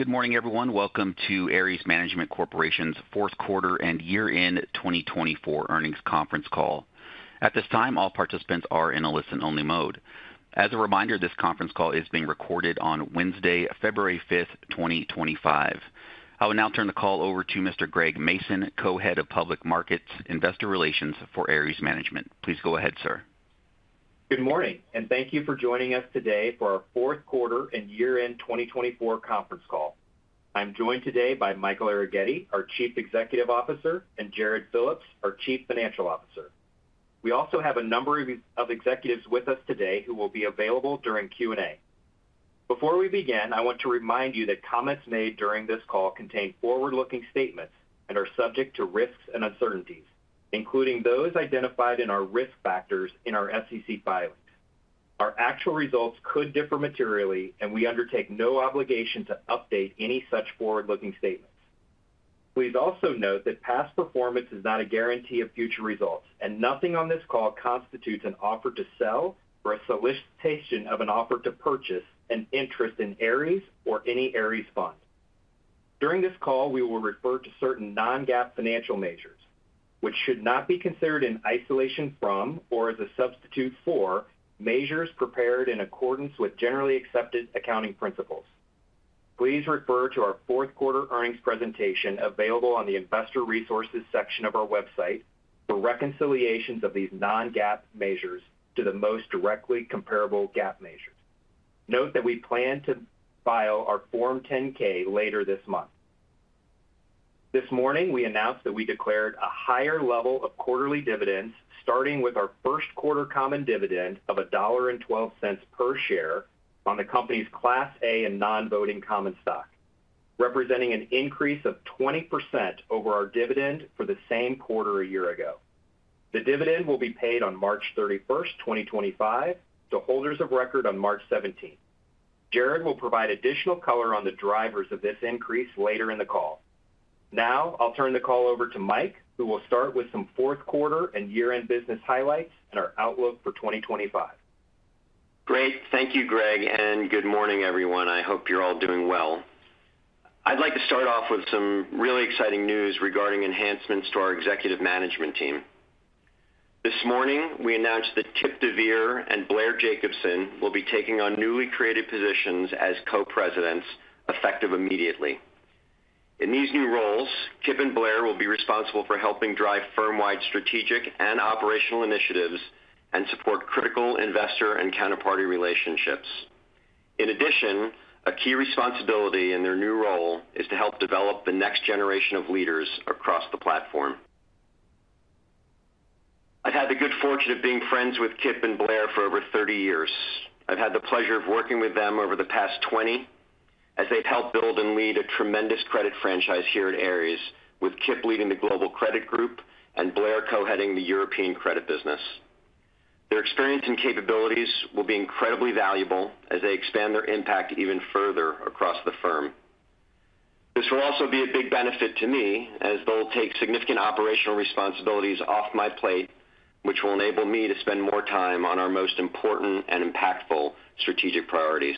Good morning, everyone. Welcome to Ares Management Corporation's fourth quarter and year-end 2024 earnings conference call. At this time, all participants are in a listen-only mode. As a reminder, this conference call is being recorded on Wednesday, February 5th, 2025. I will now turn the call over to Mr. Greg Mason, Co-Head of Public Markets Investor Relations for Ares Management. Please go ahead, sir. Good morning, and thank you for joining us today for our fourth quarter and year-end 2024 conference call. I'm joined today by Michael Arougheti, our Chief Executive Officer, and Jarrod Phillips, our Chief Financial Officer. We also have a number of executives with us today who will be available during Q&A. Before we begin, I want to remind you that comments made during this call contain forward-looking statements and are subject to risks and uncertainties, including those identified in our risk factors in our SEC filings. Our actual results could differ materially, and we undertake no obligation to update any such forward-looking statements. Please also note that past performance is not a guarantee of future results, and nothing on this call constitutes an offer to sell or a solicitation of an offer to purchase an interest in Ares or any Ares fund. During this call, we will refer to certain non-GAAP financial measures, which should not be considered in isolation from or as a substitute for measures prepared in accordance with generally accepted accounting principles. Please refer to our fourth quarter earnings presentation available on the Investor Resources section of our website for reconciliations of these non-GAAP measures to the most directly comparable GAAP measures. Note that we plan to file our Form 10-K later this month. This morning, we announced that we declared a higher level of quarterly dividends, starting with our first quarter common dividend of $1.12 per share on the company's Class A and non-voting common stock, representing an increase of 20% over our dividend for the same quarter a year ago. The dividend will be paid on March 31st, 2025, to holders of record on March 17th. Jarrod will provide additional color on the drivers of this increase later in the call. Now, I'll turn the call over to Mike, who will start with some fourth quarter and year-end business highlights and our outlook for 2025. Great. Thank you, Greg, and good morning, everyone. I hope you're all doing well. I'd like to start off with some really exciting news regarding enhancements to our Executive Management Team. This morning, we announced that Kipp deVeer and Blair Jacobson will be taking on newly created positions as co-presidents effective immediately. In these new roles, Kipp and Blair will be responsible for helping drive firm-wide strategic and operational initiatives and support critical investor and counterparty relationships. In addition, a key responsibility in their new role is to help develop the next generation of leaders across the platform. I've had the good fortune of being friends with Kipp and Blair for over 30 years. I've had the pleasure of working with them over the past 20, as they've helped build and lead a tremendous credit franchise here at Ares, with Kipp leading the Global Credit Group and Blair co-heading the European credit business. Their experience and capabilities will be incredibly valuable as they expand their impact even further across the firm. This will also be a big benefit to me, as they'll take significant operational responsibilities off my plate, which will enable me to spend more time on our most important and impactful strategic priorities.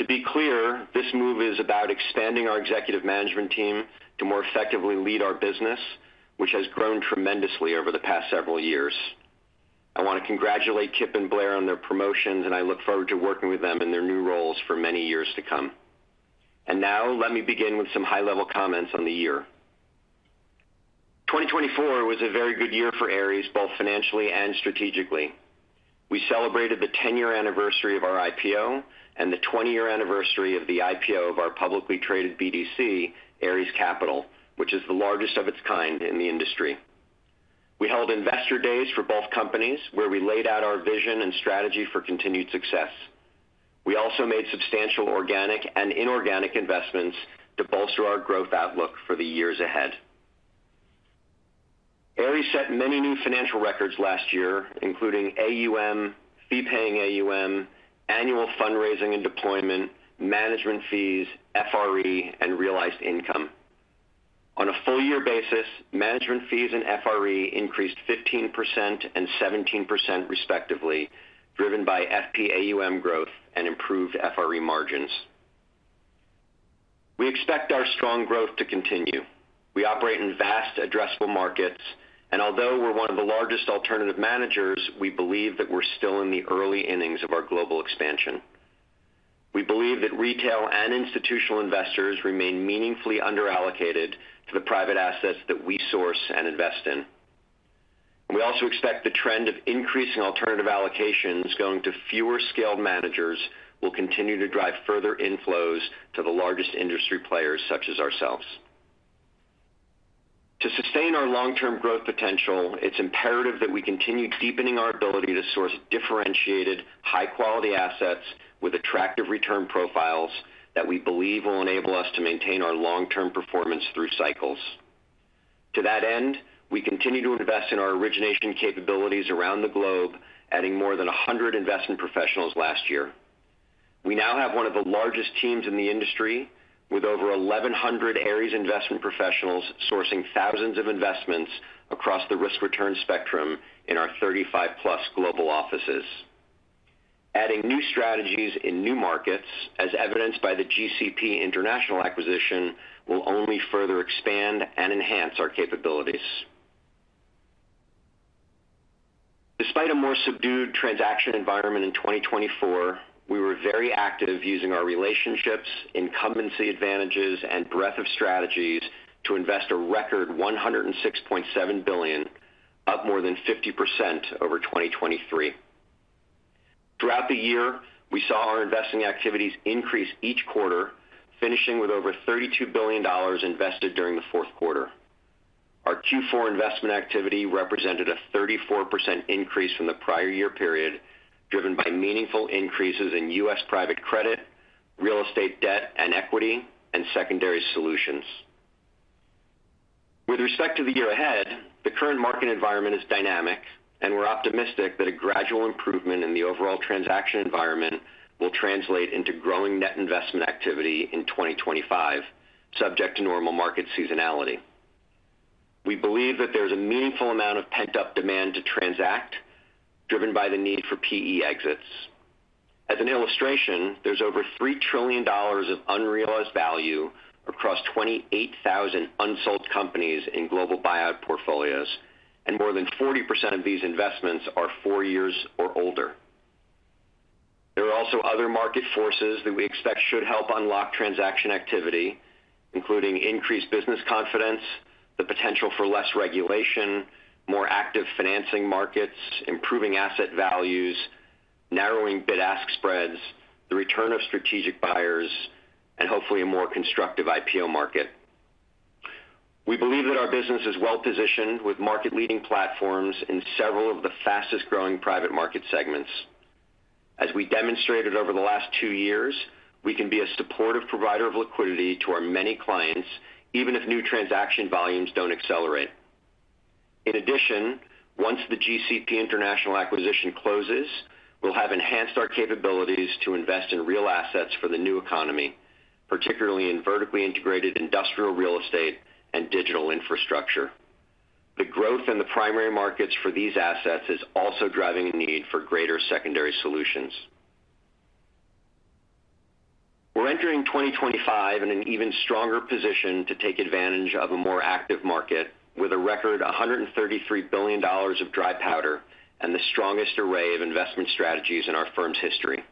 To be clear, this move is about expanding our Executive Management Team to more effectively lead our business, which has grown tremendously over the past several years. I want to congratulate Kipp and Blair on their promotions, and I look forward to working with them in their new roles for many years to come. Now, let me begin with some high-level comments on the year. 2024 was a very good year for Ares, both financially and strategically. We celebrated the 10-year anniversary of our IPO and the 20-year anniversary of the IPO of our publicly traded BDC, Ares Capital, which is the largest of its kind in the industry. We held investor days for both companies, where we laid out our vision and strategy for continued success. We also made substantial organic and inorganic investments to bolster our growth outlook for the years ahead. Ares set many new financial records last year, including AUM, fee-paying AUM, annual fundraising and deployment, management fees, FRE, and realized income. On a full-year basis, management fees and FRE increased 15% and 17%, respectively, driven by FPAUM growth and improved FRE margins. We expect our strong growth to continue. We operate in vast, addressable markets, and although we're one of the largest alternative managers, we believe that we're still in the early innings of our global expansion. We believe that retail and institutional investors remain meaningfully underallocated to the private assets that we source and invest in. We also expect the trend of increasing alternative allocations going to fewer scaled managers will continue to drive further inflows to the largest industry players such as ourselves. To sustain our long-term growth potential, it's imperative that we continue deepening our ability to source differentiated, high-quality assets with attractive return profiles that we believe will enable us to maintain our long-term performance through cycles. To that end, we continue to invest in our origination capabilities around the globe, adding more than 100 investment professionals last year. We now have one of the largest teams in the industry, with over 1,100 Ares investment professionals sourcing thousands of investments across the risk-return spectrum in our 35-plus global offices. Adding new strategies in new markets, as evidenced by the GCP International acquisition, will only further expand and enhance our capabilities. Despite a more subdued transaction environment in 2024, we were very active using our relationships, incumbency advantages, and breadth of strategies to invest a record $106.7 billion, up more than 50% over 2023. Throughout the year, we saw our investing activities increase each quarter, finishing with over $32 billion invested during the fourth quarter. Our Q4 investment activity represented a 34% increase from the prior year period, driven by meaningful increases in U.S. private credit, real estate debt, and equity and secondary solutions. With respect to the year ahead, the current market environment is dynamic, and we're optimistic that a gradual improvement in the overall transaction environment will translate into growing net investment activity in 2025, subject to normal market seasonality. We believe that there's a meaningful amount of pent-up demand to transact, driven by the need for PE exits. As an illustration, there's over $3 trillion of unrealized value across 28,000 unsold companies in global buyout portfolios, and more than 40% of these investments are four years or older. There are also other market forces that we expect should help unlock transaction activity, including increased business confidence, the potential for less regulation, more active financing markets, improving asset values, narrowing bid-ask spreads, the return of strategic buyers, and hopefully a more constructive IPO market. We believe that our business is well-positioned with market-leading platforms in several of the fastest-growing private market segments. As we demonstrated over the last two years, we can be a supportive provider of liquidity to our many clients, even if new transaction volumes don't accelerate. In addition, once the GCP International acquisition closes, we'll have enhanced our capabilities to invest in real assets for the new economy, particularly in vertically integrated industrial real estate and digital infrastructure. The growth in the primary markets for these assets is also driving a need for greater secondary solutions. We're entering 2025 in an even stronger position to take advantage of a more active market, with a record $133 billion of dry powder and the strongest array of investment strategies in our firm's history.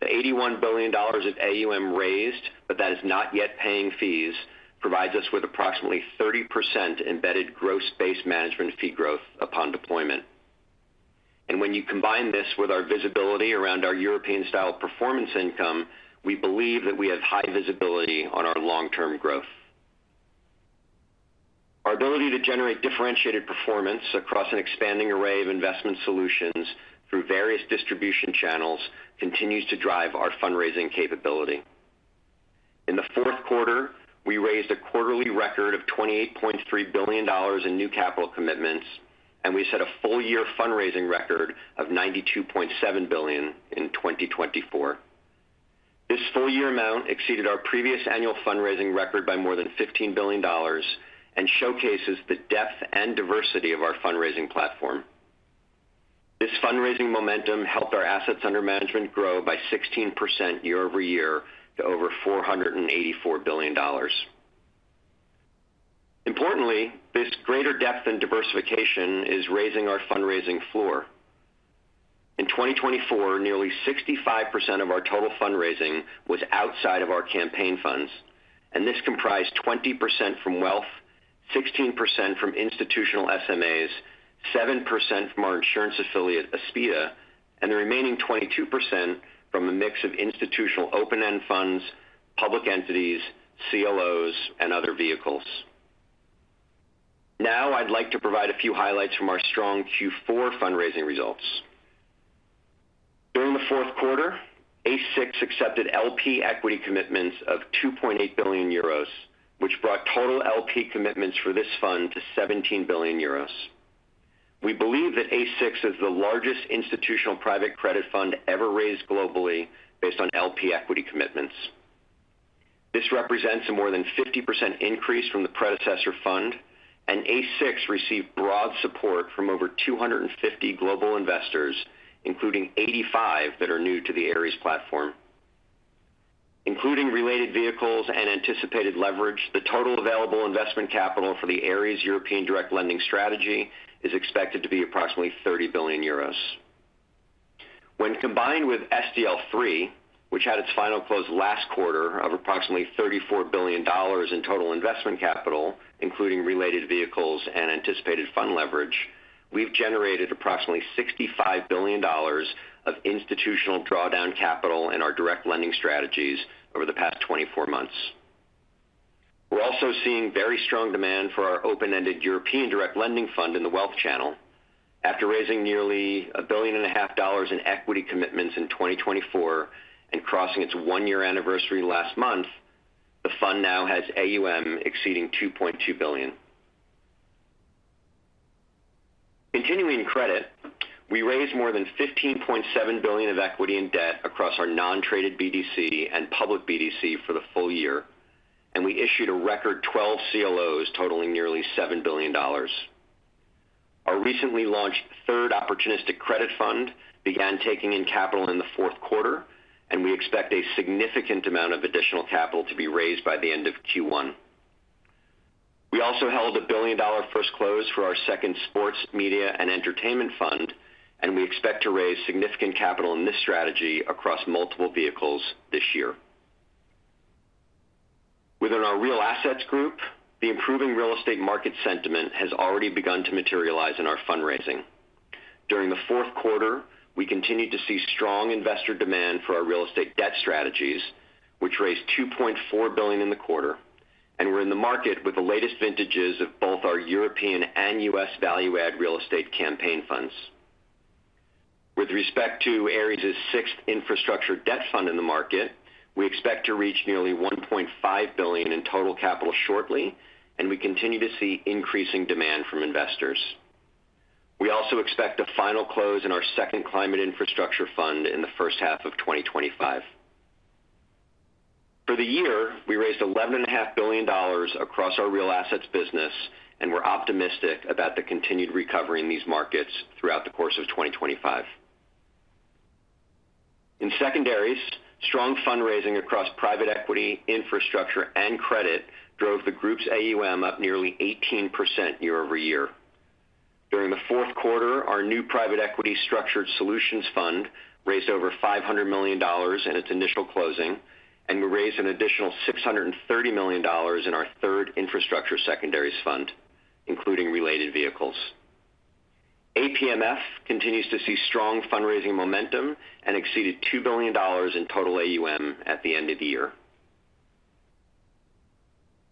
The $81 billion of AUM raised but that is not yet paying fees provides us with approximately 30% embedded gross base management fee growth upon deployment. When you combine this with our visibility around our European-style performance income, we believe that we have high visibility on our long-term growth. Our ability to generate differentiated performance across an expanding array of investment solutions through various distribution channels continues to drive our fundraising capability. In the fourth quarter, we raised a quarterly record of $28.3 billion in new capital commitments, and we set a full-year fundraising record of $92.7 billion in 2024. This full-year amount exceeded our previous annual fundraising record by more than $15 billion and showcases the depth and diversity of our fundraising platform. This fundraising momentum helped our assets under management grow by 16% year over year to over $484 billion. Importantly, this greater depth and diversification is raising our fundraising floor. In 2024, nearly 65% of our total fundraising was outside of our campaign funds, and this comprised 20% from wealth, 16% from institutional SMAs, 7% from our insurance affiliate, Aspida, and the remaining 22% from a mix of institutional open-end funds, public entities, CLOs, and other vehicles. Now, I'd like to provide a few highlights from our strong Q4 fundraising results. During the fourth quarter, ACE VI accepted LP equity commitments of €2.8 billion, which brought total LP commitments for this fund to €17 billion. We believe that ACE VI is the largest institutional private credit fund ever raised globally based on LP equity commitments. This represents a more than 50% increase from the predecessor fund, and ACE VI received broad support from over 250 global investors, including 85 that are new to the Ares platform. Including related vehicles and anticipated leverage, the total available investment capital for the Ares European direct lending strategy is expected to be approximately €30 billion. When combined with SDL III, which had its final close last quarter of approximately $34 billion in total investment capital, including related vehicles and anticipated fund leverage, we've generated approximately $65 billion of institutional drawdown capital in our direct lending strategies over the past 24 months. We're also seeing very strong demand for our open-ended European direct lending fund in the wealth channel. After raising nearly $1.5 billion in equity commitments in 2024 and crossing its one-year anniversary last month, the fund now has AUM exceeding $2.2 billion. Continuing credit, we raised more than $15.7 billion of equity and debt across our non-traded BDC and public BDC for the full year, and we issued a record 12 CLOs totaling nearly $7 billion. Our recently launched third opportunistic credit fund began taking in capital in the fourth quarter, and we expect a significant amount of additional capital to be raised by the end of Q1. We also held a $1 billion first close for our second Sports, Media, and Entertainment fund, and we expect to raise significant capital in this strategy across multiple vehicles this year. Within our Real Assets Group, the improving real estate market sentiment has already begun to materialize in our fundraising. During the fourth quarter, we continued to see strong investor demand for our real estate debt strategies, which raised $2.4 billion in the quarter, and we're in the market with the latest vintages of both our European and U.S. value-add real estate campaign funds. With respect to Ares's sixth Infrastructure Debt fund in the market, we expect to reach nearly $1.5 billion in total capital shortly, and we continue to see increasing demand from investors. We also expect a final close in our second Climate Infrastructure fund in the first half of 2025. For the year, we raised $11.5 billion across our real assets business, and we're optimistic about the continued recovery in these markets throughout the course of 2025. In secondaries, strong fundraising across private equity, infrastructure, and credit drove the group's AUM up nearly 18% year over year. During the fourth quarter, our new Private Equity Structured Solutions fund raised over $500 million in its initial closing, and we raised an additional $630 million in our third infrastructure secondaries fund, including related vehicles. APMF continues to see strong fundraising momentum and exceeded $2 billion in total AUM at the end of the year.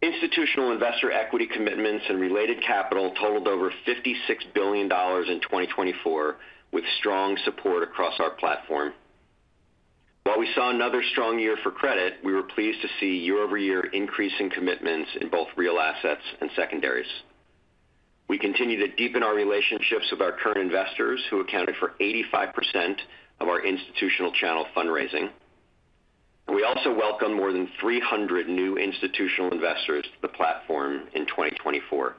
Institutional investor equity commitments and related capital totaled over $56 billion in 2024, with strong support across our platform. While we saw another strong year for credit, we were pleased to see year-over-year increasing commitments in both real assets and secondaries. We continue to deepen our relationships with our current investors, who accounted for 85% of our institutional channel fundraising. We also welcomed more than 300 new institutional investors to the platform in 2024.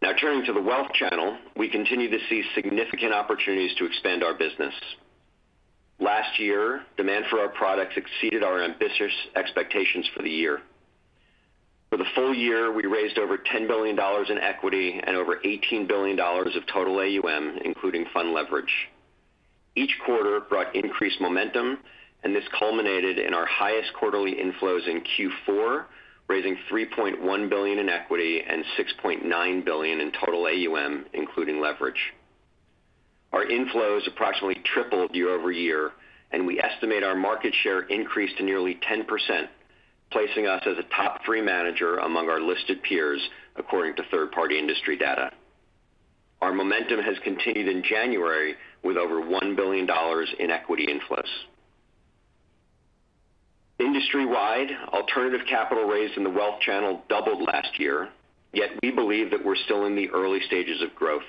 Now, turning to the wealth channel, we continue to see significant opportunities to expand our business. Last year, demand for our products exceeded our ambitious expectations for the year. For the full year, we raised over $10 billion in equity and over $18 billion of total AUM, including fund leverage. Each quarter brought increased momentum, and this culminated in our highest quarterly inflows in Q4, raising $3.1 billion in equity and $6.9 billion in total AUM, including leverage. Our inflows approximately tripled year over year, and we estimate our market share increased to nearly 10%, placing us as a top three manager among our listed peers, according to third-party industry data. Our momentum has continued in January with over $1 billion in equity inflows. Industry-wide, alternative capital raised in the wealth channel doubled last year, yet we believe that we're still in the early stages of growth.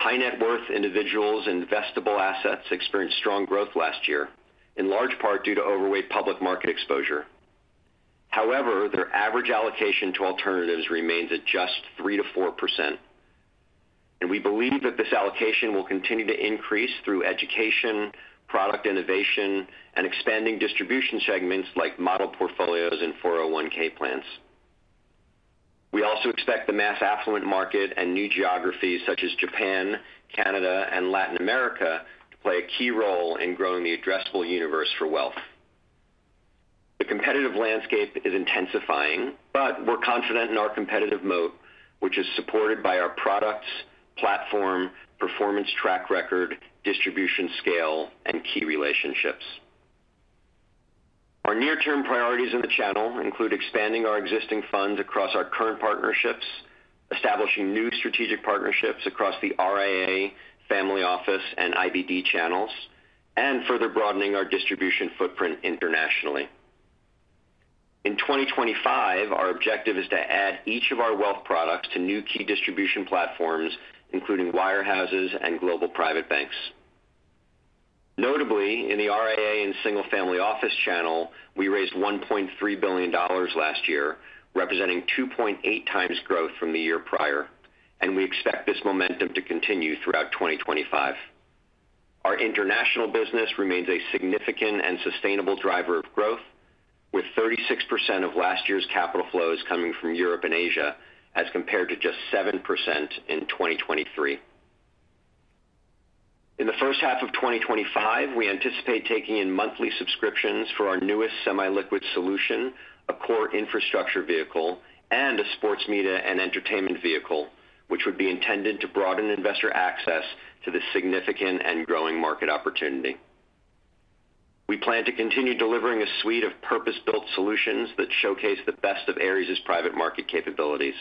High-net-worth individuals and investable assets experienced strong growth last year, in large part due to overweight public market exposure. However, their average allocation to alternatives remains at just 3%-4%. We believe that this allocation will continue to increase through education, product innovation, and expanding distribution segments like model portfolios and 401(k) plans. We also expect the mass affluent market and new geographies such as Japan, Canada, and Latin America to play a key role in growing the addressable universe for wealth. The competitive landscape is intensifying, but we're confident in our competitive moat, which is supported by our products, platform, performance track record, distribution scale, and key relationships. Our near-term priorities in the channel include expanding our existing funds across our current partnerships, establishing new strategic partnerships across the RIA, family office, and IBD channels, and further broadening our distribution footprint internationally. In 2025, our objective is to add each of our wealth products to new key distribution platforms, including wirehouses and global private banks. Notably, in the RIA and single-family office channel, we raised $1.3 billion last year, representing 2.8 times growth from the year prior, and we expect this momentum to continue throughout 2025. Our international business remains a significant and sustainable driver of growth, with 36% of last year's capital flows coming from Europe and Asia, as compared to just 7% in 2023. In the first half of 2025, we anticipate taking in monthly subscriptions for our newest semi-liquid solution, a core infrastructure vehicle, and a sports, media, and entertainment vehicle, which would be intended to broaden investor access to this significant and growing market opportunity. We plan to continue delivering a suite of purpose-built solutions that showcase the best of Ares's private market capabilities.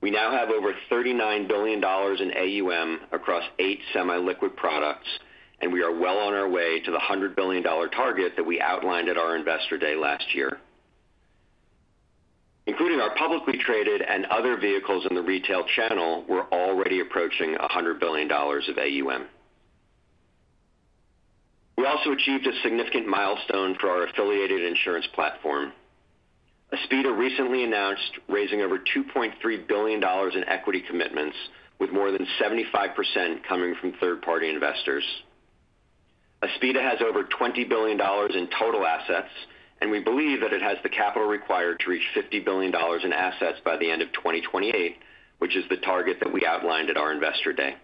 We now have over $39 billion in AUM across eight semi-liquid products, and we are well on our way to the $100 billion target that we outlined at our Investor Day last year. Including our publicly traded and other vehicles in the retail channel, we're already approaching $100 billion of AUM. We also achieved a significant milestone for our affiliated insurance platform. Aspida recently announced raising over $2.3 billion in equity commitments, with more than 75% coming from third-party investors. Aspida has over $20 billion in total assets, and we believe that it has the capital required to reach $50 billion in assets by the end of 2028, which is the target that we outlined at our Investor Day.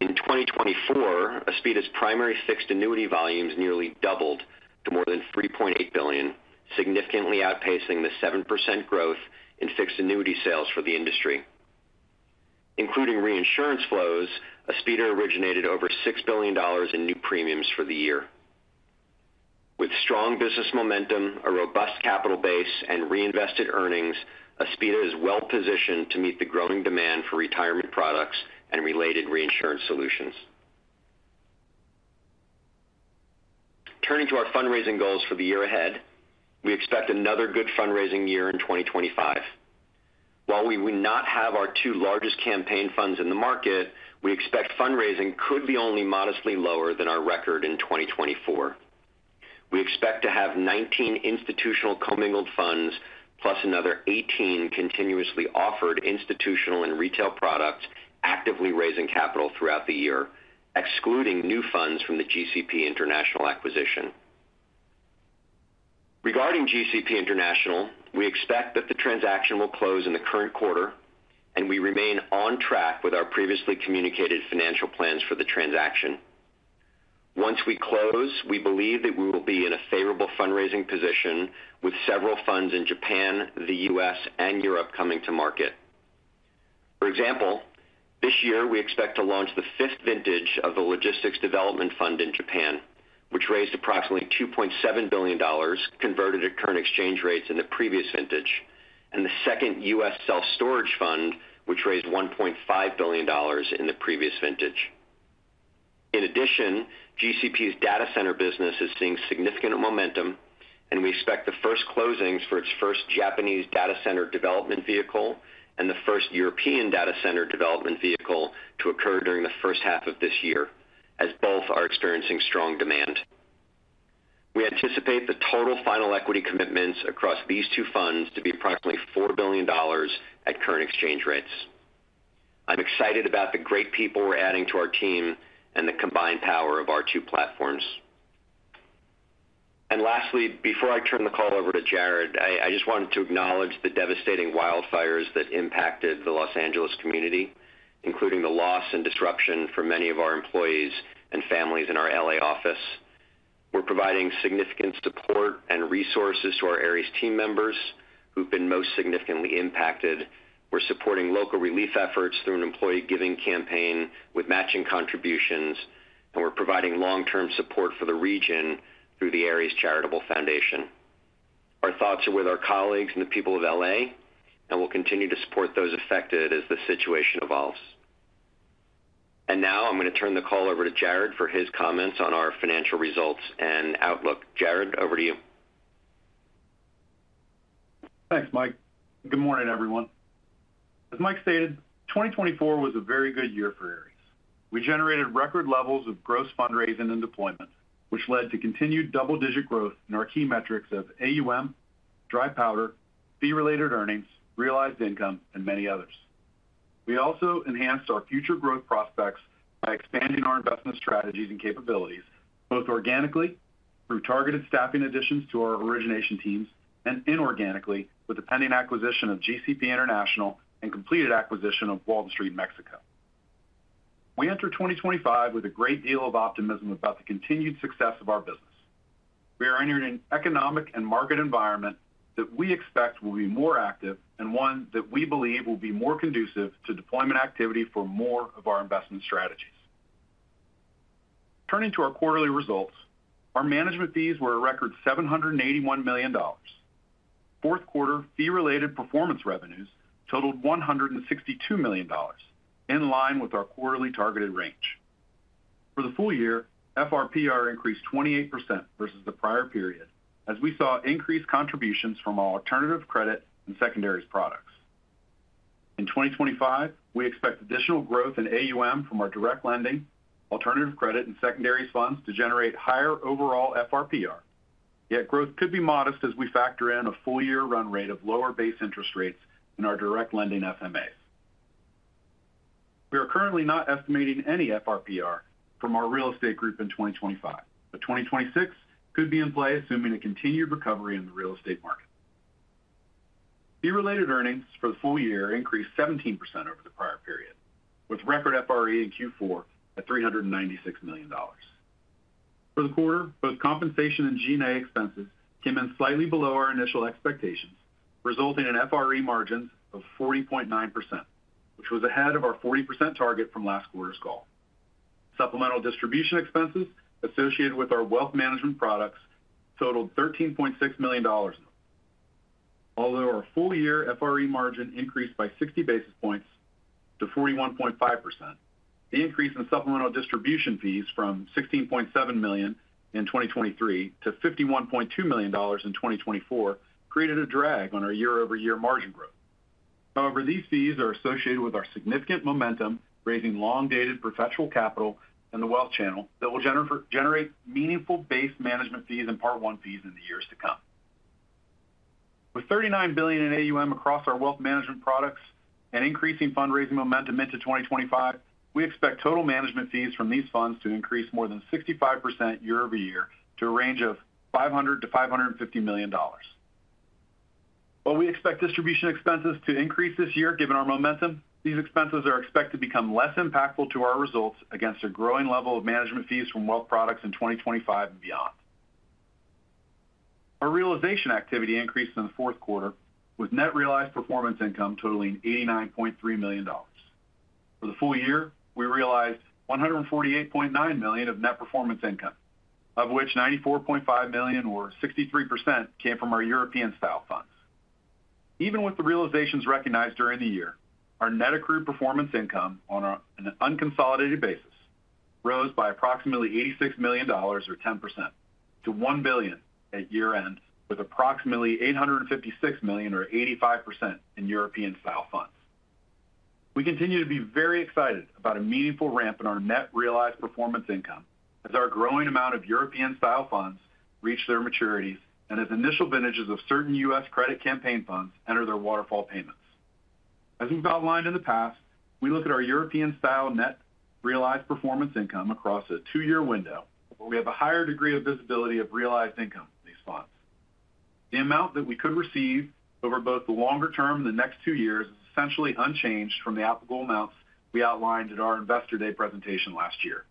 In 2024, Aspida's primary fixed annuity volumes nearly doubled to more than $3.8 billion, significantly outpacing the 7% growth in fixed annuity sales for the industry. Including reinsurance flows, Aspida originated over $6 billion in new premiums for the year. With strong business momentum, a robust capital base, and reinvested earnings, Aspida is well positioned to meet the growing demand for retirement products and related reinsurance solutions. Turning to our fundraising goals for the year ahead, we expect another good fundraising year in 2025. While we will not have our two largest campaign funds in the market, we expect fundraising could be only modestly lower than our record in 2024. We expect to have 19 institutional commingled funds, plus another 18 continuously offered institutional and retail products actively raising capital throughout the year, excluding new funds from the GCP International acquisition. Regarding GCP International, we expect that the transaction will close in the current quarter, and we remain on track with our previously communicated financial plans for the transaction. Once we close, we believe that we will be in a favorable fundraising position, with several funds in Japan, the U.S., and Europe coming to market. For example, this year, we expect to launch the fifth vintage of the logistics development fund in Japan, which raised approximately $2.7 billion, converted at current exchange rates in the previous vintage, and the second U.S. self-storage fund, which raised $1.5 billion in the previous vintage. In addition, GCP's data center business is seeing significant momentum, and we expect the first closings for its first Japanese data center development vehicle and the first European data center development vehicle to occur during the first half of this year, as both are experiencing strong demand. We anticipate the total final equity commitments across these two funds to be approximately $4 billion at current exchange rates. I'm excited about the great people we're adding to our team and the combined power of our two platforms. And lastly, before I turn the call over to Jarrod, I just wanted to acknowledge the devastating wildfires that impacted the Los Angeles community, including the loss and disruption for many of our employees and families in our LA office. We're providing significant support and resources to our Ares team members who've been most significantly impacted. We're supporting local relief efforts through an employee giving campaign with matching contributions, and we're providing long-term support for the region through the Ares Charitable Foundation. Our thoughts are with our colleagues and the people of LA, and we'll continue to support those affected as the situation evolves. And now I'm going to turn the call over to Jarrod for his comments on our financial results and outlook. Jarrod, over to you. Thanks, Mike. Good morning, everyone. As Mike stated, 2024 was a very good year for Ares. We generated record levels of gross fundraising and deployment, which led to continued double-digit growth in our key metrics of AUM, dry powder, fee-related earnings, realized income, and many others. We also enhanced our future growth prospects by expanding our investment strategies and capabilities, both organically through targeted staffing additions to our origination teams and inorganically with the pending acquisition of GCP International and completed acquisition of Walton Street Capital Mexico. We enter 2025 with a great deal of optimism about the continued success of our business. We are entering an economic and market environment that we expect will be more active and one that we believe will be more conducive to deployment activity for more of our investment strategies. Turning to our quarterly results, our management fees were a record $781 million. Fourth quarter fee-related performance revenues totaled $162 million, in line with our quarterly targeted range. For the full year, FRPR increased 28% versus the prior period, as we saw increased contributions from our alternative credit and secondaries products. In 2025, we expect additional growth in AUM from our direct lending, alternative credit, and secondaries funds to generate higher overall FRPR, yet growth could be modest as we factor in a full-year run rate of lower base interest rates in our direct lending FMAs. We are currently not estimating any FRPR from our real estate group in 2025, but 2026 could be in play, assuming a continued recovery in the real estate market. Fee-related earnings for the full year increased 17% over the prior period, with record FRE in Q4 at $396 million. For the quarter, both compensation and G&A expenses came in slightly below our initial expectations, resulting in FRE margins of 40.9%, which was ahead of our 40% target from last quarter's call. Supplemental distribution expenses associated with our wealth management products totaled $13.6 million in the quarter. Although our full-year FRE margin increased by 60 basis points to 41.5%, the increase in supplemental distribution fees from $16.7 million in 2023 to $51.2 million in 2024 created a drag on our year-over-year margin growth. However, these fees are associated with our significant momentum raising long-dated perpetual capital in the wealth channel that will generate meaningful base management fees and part1 fees in the years to come. With $39 billion in AUM across our wealth management products and increasing fundraising momentum into 2025, we expect total management fees from these funds to increase more than 65% year-over-year to a range of $500-$550 million. While we expect distribution expenses to increase this year given our momentum, these expenses are expected to become less impactful to our results against a growing level of management fees from wealth products in 2025 and beyond. Our realization activity increased in the fourth quarter, with net realized performance income totaling $89.3 million. For the full year, we realized $148.9 million of net performance income, of which $94.5 million, or 63%, came from our European-style funds. Even with the realizations recognized during the year, our net accrued performance income on an unconsolidated basis rose by approximately $86 million, or 10%, to $1 billion at year-end, with approximately $856 million, or 85%, in European-style funds. We continue to be very excited about a meaningful ramp in our net realized performance income as our growing amount of European-style funds reach their maturities and as initial vintages of certain U.S. credit campaign funds enter their waterfall payments. As we've outlined in the past, we look at our European-style net realized performance income across a two-year window, where we have a higher degree of visibility of realized income in these funds. The amount that we could receive over both the longer term and the next two years is essentially unchanged from the applicable amounts we outlined at our investor day presentation last year.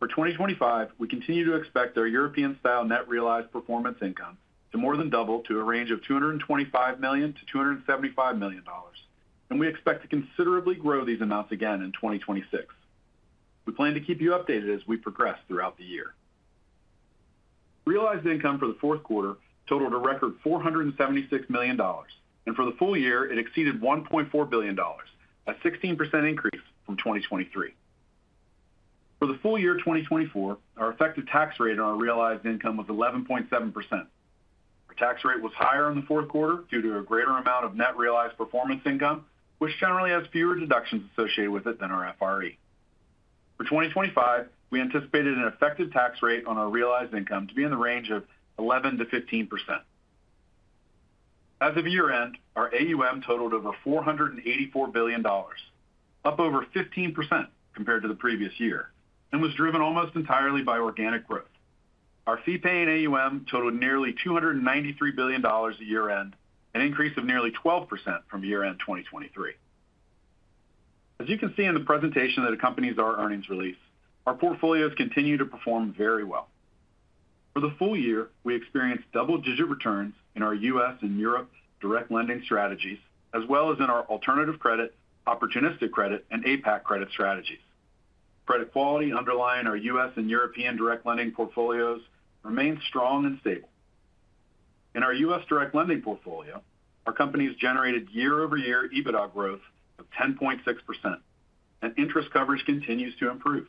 For 2025, we continue to expect our European-style net realized performance income to more than double to a range of $225 million-$275 million, and we expect to considerably grow these amounts again in 2026. We plan to keep you updated as we progress throughout the year. Realized income for the fourth quarter totaled a record $476 million, and for the full year, it exceeded $1.4 billion, a 16% increase from 2023. For the full year 2024, our effective tax rate on our realized income was 11.7%. Our tax rate was higher in the fourth quarter due to a greater amount of net realized performance income, which generally has fewer deductions associated with it than our FRE. For 2025, we anticipated an effective tax rate on our realized income to be in the range of 11%-15%. As of year-end, our AUM totaled over $484 billion, up over 15% compared to the previous year, and was driven almost entirely by organic growth. Our fee-paying AUM totaled nearly $293 billion at year-end, an increase of nearly 12% from year-end 2023. As you can see in the presentation that accompanies our earnings release, our portfolios continue to perform very well. For the full year, we experienced double-digit returns in our U.S. and Europe direct lending strategies, as well as in our alternative credit, opportunistic credit, and APAC credit strategies. Credit quality underlying our U.S. and European direct lending portfolios remains strong and stable. In our U.S. direct lending portfolio, our companies generated year-over-year EBITDA growth of 10.6%, and interest coverage continues to improve.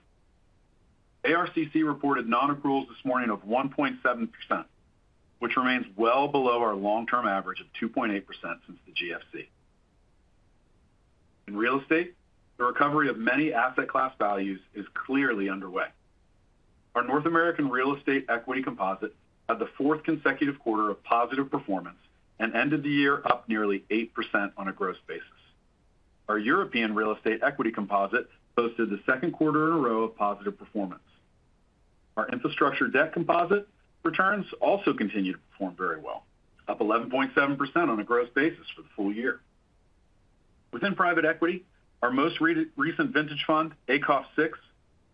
ARCC reported non-approvals this morning of 1.7%, which remains well below our long-term average of 2.8% since the GFC. In real estate, the recovery of many asset class values is clearly underway. Our North American real estate equity composite had the fourth consecutive quarter of positive performance and ended the year up nearly 8% on a gross basis. Our European real estate equity composite posted the second quarter in a row of positive performance. Our infrastructure debt composite returns also continue to perform very well, up 11.7% on a gross basis for the full year. Within private equity, our most recent vintage fund, ACOF VI,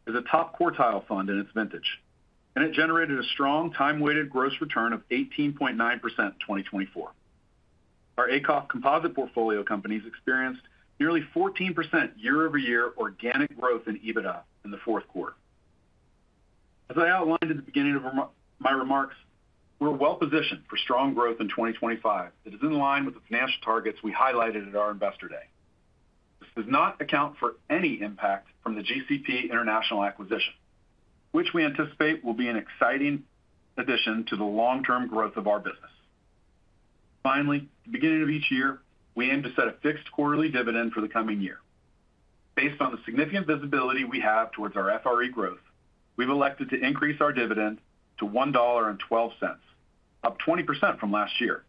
is a top quartile fund in its vintage, and it generated a strong, time-weighted gross return of 18.9% in 2024. Our ACOF composite portfolio companies experienced nearly 14% year-over-year organic growth in EBITDA in the fourth quarter. As I outlined at the beginning of my remarks, we're well positioned for strong growth in 2025 that is in line with the financial targets we highlighted at our investor day. This does not account for any impact from the GCP International acquisition, which we anticipate will be an exciting addition to the long-term growth of our business. Finally, at the beginning of each year, we aim to set a fixed quarterly dividend for the coming year. Based on the significant visibility we have towards our FRE growth, we've elected to increase our dividend to $1.12, up 20% from last year.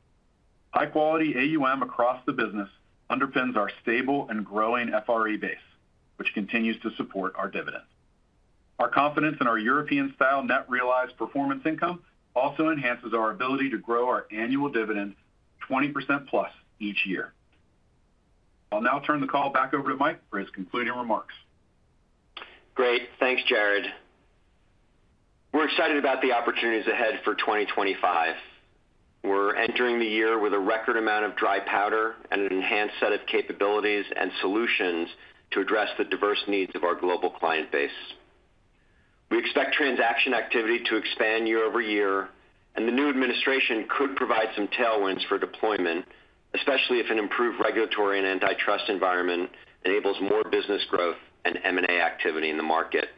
High-quality AUM across the business underpins our stable and growing FRE base, which continues to support our dividend. Our confidence in our European-style net realized performance income also enhances our ability to grow our annual dividend 20% plus each year. I'll now turn the call back over to Mike for his concluding remarks. Great. Thanks, Jarrod. We're excited about the opportunities ahead for 2025. We're entering the year with a record amount of dry powder and an enhanced set of capabilities and solutions to address the diverse needs of our global client base. We expect transaction activity to expand year-over-year, and the new administration could provide some tailwinds for deployment, especially if an improved regulatory and antitrust environment enables more business growth and M&A activity in the market.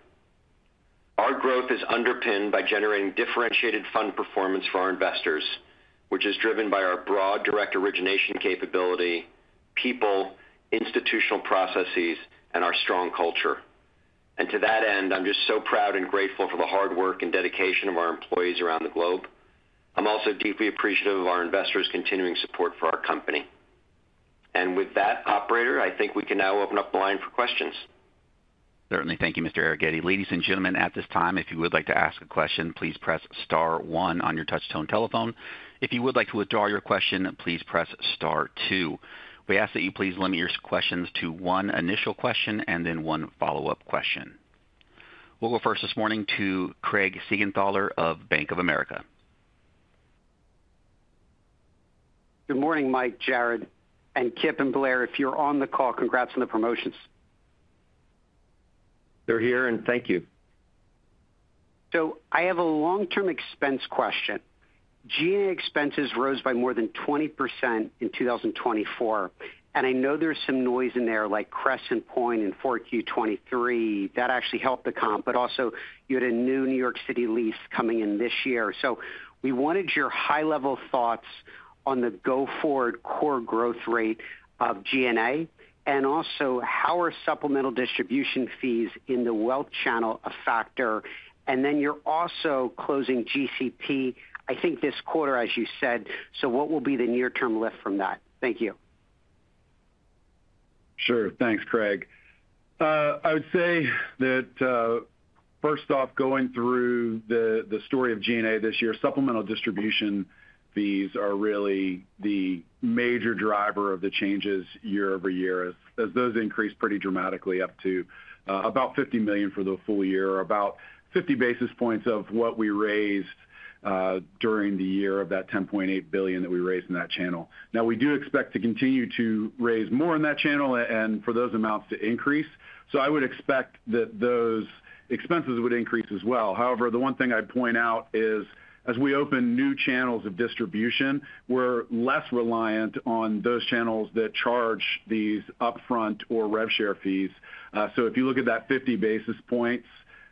Our growth is underpinned by generating differentiated fund performance for our investors, which is driven by our broad direct origination capability, people, institutional processes, and our strong culture. And to that end, I'm just so proud and grateful for the hard work and dedication of our employees around the globe. I'm also deeply appreciative of our investors' continuing support for our company. And with that, Operator, I think we can now open up the line for questions. Certainly. Thank you, Mr. Arougheti. Ladies and gentlemen, at this time, if you would like to ask a question, please press Star 1 on your touch-tone telephone. If you would like to withdraw your question, please press Star 2. We ask that you please limit your questions to one initial question and then one follow-up question. We'll go first this morning to Craig Siegenthaler of Bank of America. Good morning, Mike, Jarrod, and Kipp and Blair. If you're on the call, congrats on the promotions. They're here, and thank you. So I have a long-term expense question. G&A expenses rose by more than 20% in 2024, and I know there's some noise in there, like Crescent Point and 4Q23. That actually helped the comp, but also you had a new New York City lease coming in this year. So we wanted your high-level thoughts on the go-forward core growth rate of G&A and also how are supplemental distribution fees in the wealth channel a factor. And then you're also closing GCP, I think, this quarter, as you said. So what will be the near-term lift from that? Thank you. Sure. Thanks, Craig. I would say that, first off, going through the story of G&A this year, supplemental distribution fees are really the major driver of the changes year-over-year, as those increased pretty dramatically up to about $50 million for the full year, about 50 basis points of what we raised during the year of that $10.8 billion that we raised in that channel. Now, we do expect to continue to raise more in that channel and for those amounts to increase. So I would expect that those expenses would increase as well. However, the one thing I'd point out is, as we open new channels of distribution, we're less reliant on those channels that charge these upfront or rev share fees. So if you look at that 50 basis points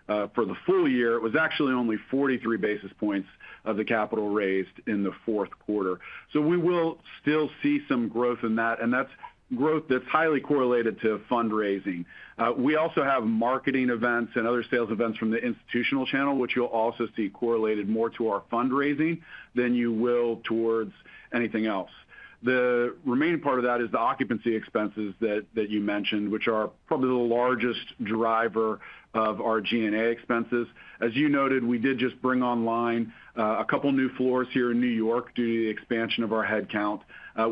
for the full year, it was actually only 43 basis points of the capital raised in the fourth quarter. So we will still see some growth in that, and that's growth that's highly correlated to fundraising. We also have marketing events and other sales events from the institutional channel, which you'll also see correlated more to our fundraising than you will towards anything else. The remaining part of that is the occupancy expenses that you mentioned, which are probably the largest driver of our G&A expenses. As you noted, we did just bring online a couple of new floors here in New York due to the expansion of our headcount.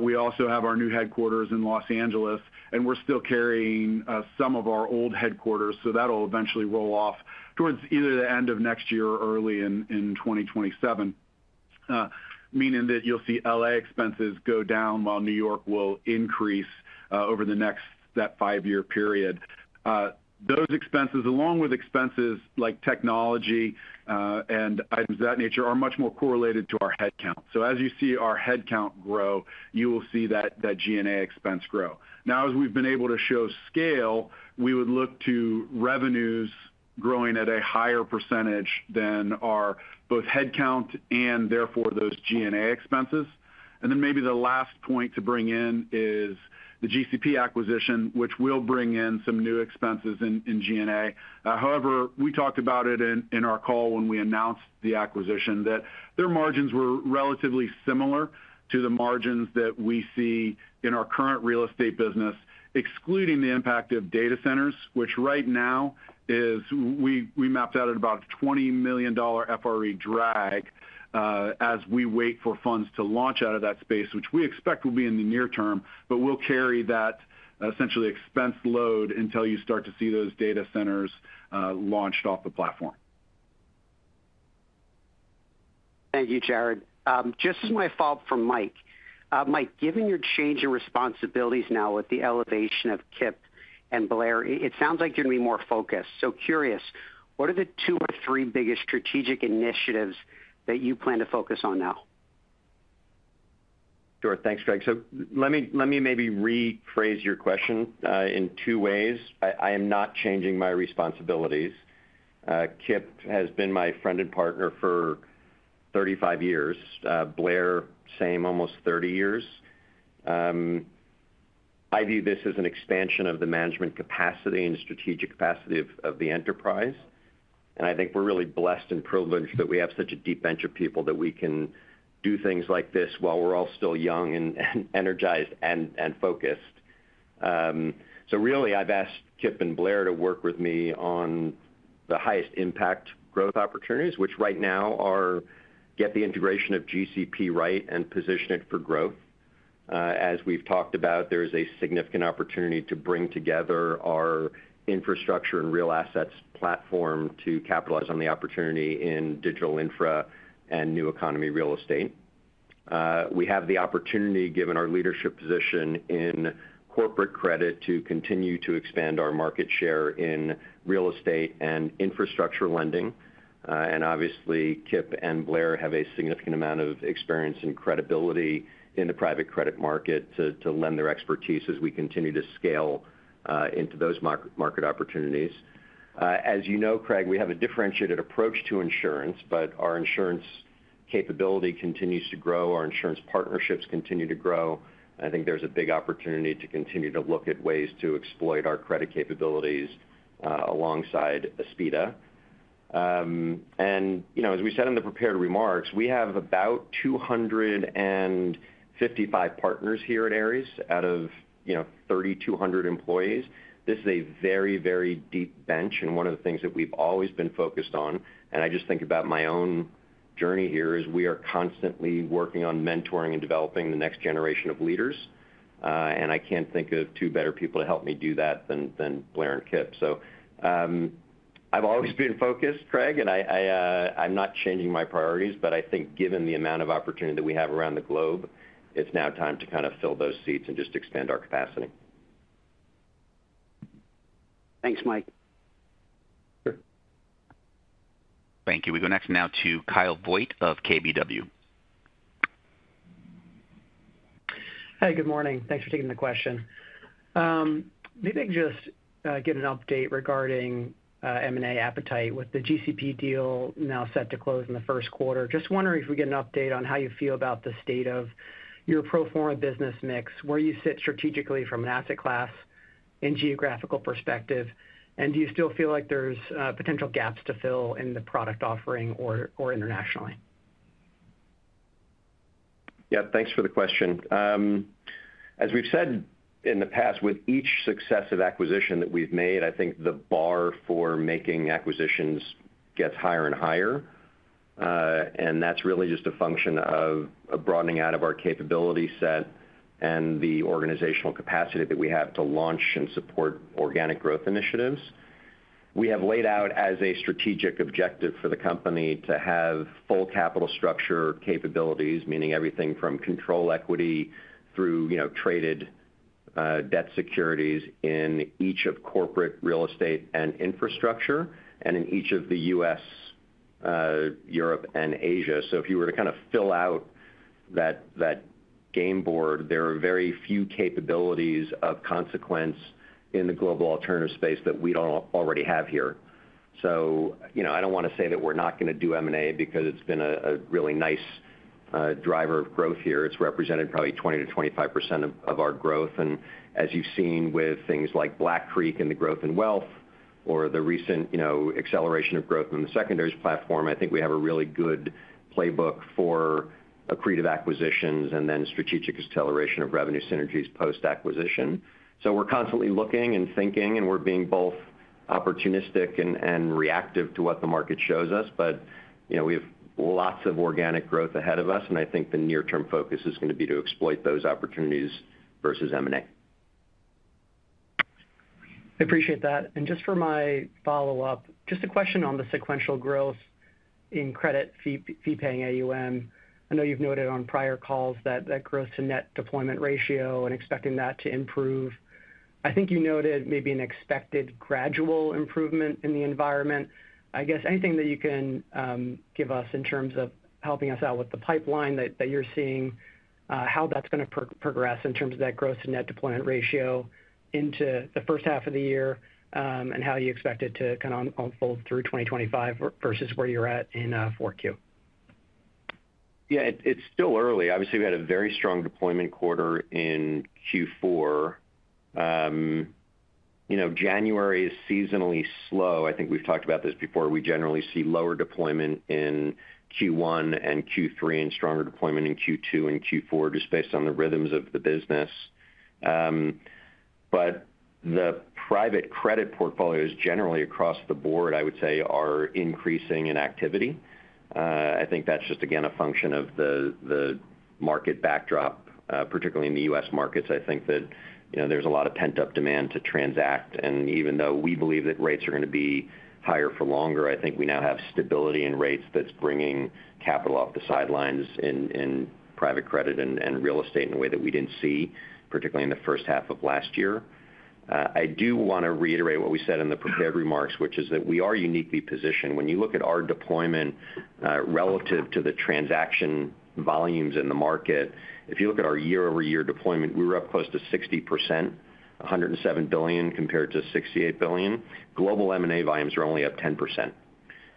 We also have our new headquarters in Los Angeles, and we're still carrying some of our old headquarters, so that'll eventually roll off towards either the end of next year or early in 2027, meaning that you'll see LA expenses go down while New York will increase over the next five-year period. Those expenses, along with expenses like technology and items of that nature, are much more correlated to our headcount. So as you see our headcount grow, you will see that G&A expense grow. Now, as we've been able to show scale, we would look to revenues growing at a higher percentage than our both headcount and, therefore, those G&A expenses. Then maybe the last point to bring in is the GCP acquisition, which will bring in some new expenses in G&A. However, we talked about it in our call when we announced the acquisition that their margins were relatively similar to the margins that we see in our current real estate business, excluding the impact of data centers, which right now is we mapped out at about a $20 million FRE drag as we wait for funds to launch out of that space, which we expect will be in the near term, but we'll carry that essentially expense load until you start to see those data centers launched off the platform. Thank you, Jarrod. Just as my follow-up from Mike. Mike, given your change in responsibilities now with the elevation of Kipp and Blair, it sounds like you're going to be more focused. So curious, what are the two or three biggest strategic initiatives that you plan to focus on now? Sure. Thanks, Craig. So let me maybe rephrase your question in two ways. I am not changing my responsibilities. Kipp has been my friend and partner for 35 years. Blair, same, almost 30 years. I view this as an expansion of the management capacity and strategic capacity of the enterprise. And I think we're really blessed and privileged that we have such a deep bench of people that we can do things like this while we're all still young and energized and focused. So really, I've asked Kipp and Blair to work with me on the highest impact growth opportunities, which right now are getting the integration of GCP right and position it for growth. As we've talked about, there is a significant opportunity to bring together our infrastructure and real assets platform to capitalize on the opportunity in digital infra and new economy real estate. We have the opportunity, given our leadership position in corporate credit, to continue to expand our market share in real estate and infrastructure lending. And obviously, Kipp and Blair have a significant amount of experience and credibility in the private credit market to lend their expertise as we continue to scale into those market opportunities. As you know, Craig, we have a differentiated approach to insurance, but our insurance capability continues to grow. Our insurance partnerships continue to grow. I think there's a big opportunity to continue to look at ways to exploit our credit capabilities alongside Aspida, and as we said in the prepared remarks, we have about 255 partners here at Ares out of 3,200 employees. This is a very, very deep bench and one of the things that we've always been focused on, and I just think about my own journey here as we are constantly working on mentoring and developing the next generation of leaders, and I can't think of two better people to help me do that than Blair and Kipp, so I've always been focused, Craig, and I'm not changing my priorities, but I think given the amount of opportunity that we have around the globe, it's now time to kind of fill those seats and just expand our capacity. Thanks, Mike. Sure. Thank you. We go next now to Kyle Voigt of KBW. Hey, good morning. Thanks for taking the question. Maybe I can just get an update regarding M&A appetite with the GCP deal now set to close in the first quarter. Just wondering if we get an update on how you feel about the state of your pro forma business mix, where you sit strategically from an asset class and geographical perspective, and do you still feel like there's potential gaps to fill in the product offering or internationally? Yeah, thanks for the question. As we've said in the past, with each successive acquisition that we've made, I think the bar for making acquisitions gets higher and higher. And that's really just a function of broadening out of our capability set and the organizational capacity that we have to launch and support organic growth initiatives. We have laid out as a strategic objective for the company to have full capital structure capabilities, meaning everything from control equity through traded debt securities in each of corporate real estate and infrastructure and in each of the U.S., Europe, and Asia. So if you were to kind of fill out that game board, there are very few capabilities of consequence in the global alternative space that we don't already have here. So I don't want to say that we're not going to do M&A because it's been a really nice driver of growth here. It's represented probably 20%-25% of our growth. And as you've seen with things like Black Creek and the growth in wealth or the recent acceleration of growth in the secondary platform, I think we have a really good playbook for accretive acquisitions and then strategic acceleration of revenue synergies post-acquisition. So we're constantly looking and thinking, and we're being both opportunistic and reactive to what the market shows us, but we have lots of organic growth ahead of us, and I think the near-term focus is going to be to exploit those opportunities versus M&A. I appreciate that. And just for my follow-up, just a question on the sequential growth in credit fee-paying AUM. I know you've noted on prior calls that that growth to net deployment ratio and expecting that to improve. I think you noted maybe an expected gradual improvement in the environment. I guess anything that you can give us in terms of helping us out with the pipeline that you're seeing, how that's going to progress in terms of that growth to net deployment ratio into the first half of the year and how you expect it to kind of unfold through 2025 versus where you're at in 4Q? Yeah, it's still early. Obviously, we had a very strong deployment quarter in Q4. January is seasonally slow. I think we've talked about this before. We generally see lower deployment in Q1 and Q3 and stronger deployment in Q2 and Q4, just based on the rhythms of the business. But the private credit portfolios generally across the board, I would say, are increasing in activity. I think that's just, again, a function of the market backdrop, particularly in the U.S. markets. I think that there's a lot of pent-up demand to transact. And even though we believe that rates are going to be higher for longer, I think we now have stability in rates that's bringing capital off the sidelines in private credit and real estate in a way that we didn't see, particularly in the first half of last year. I do want to reiterate what we said in the prepared remarks, which is that we are uniquely positioned. When you look at our deployment relative to the transaction volumes in the market, if you look at our year-over-year deployment, we were up close to 60%, $107 billion compared to $68 billion. Global M&A volumes are only up 10%.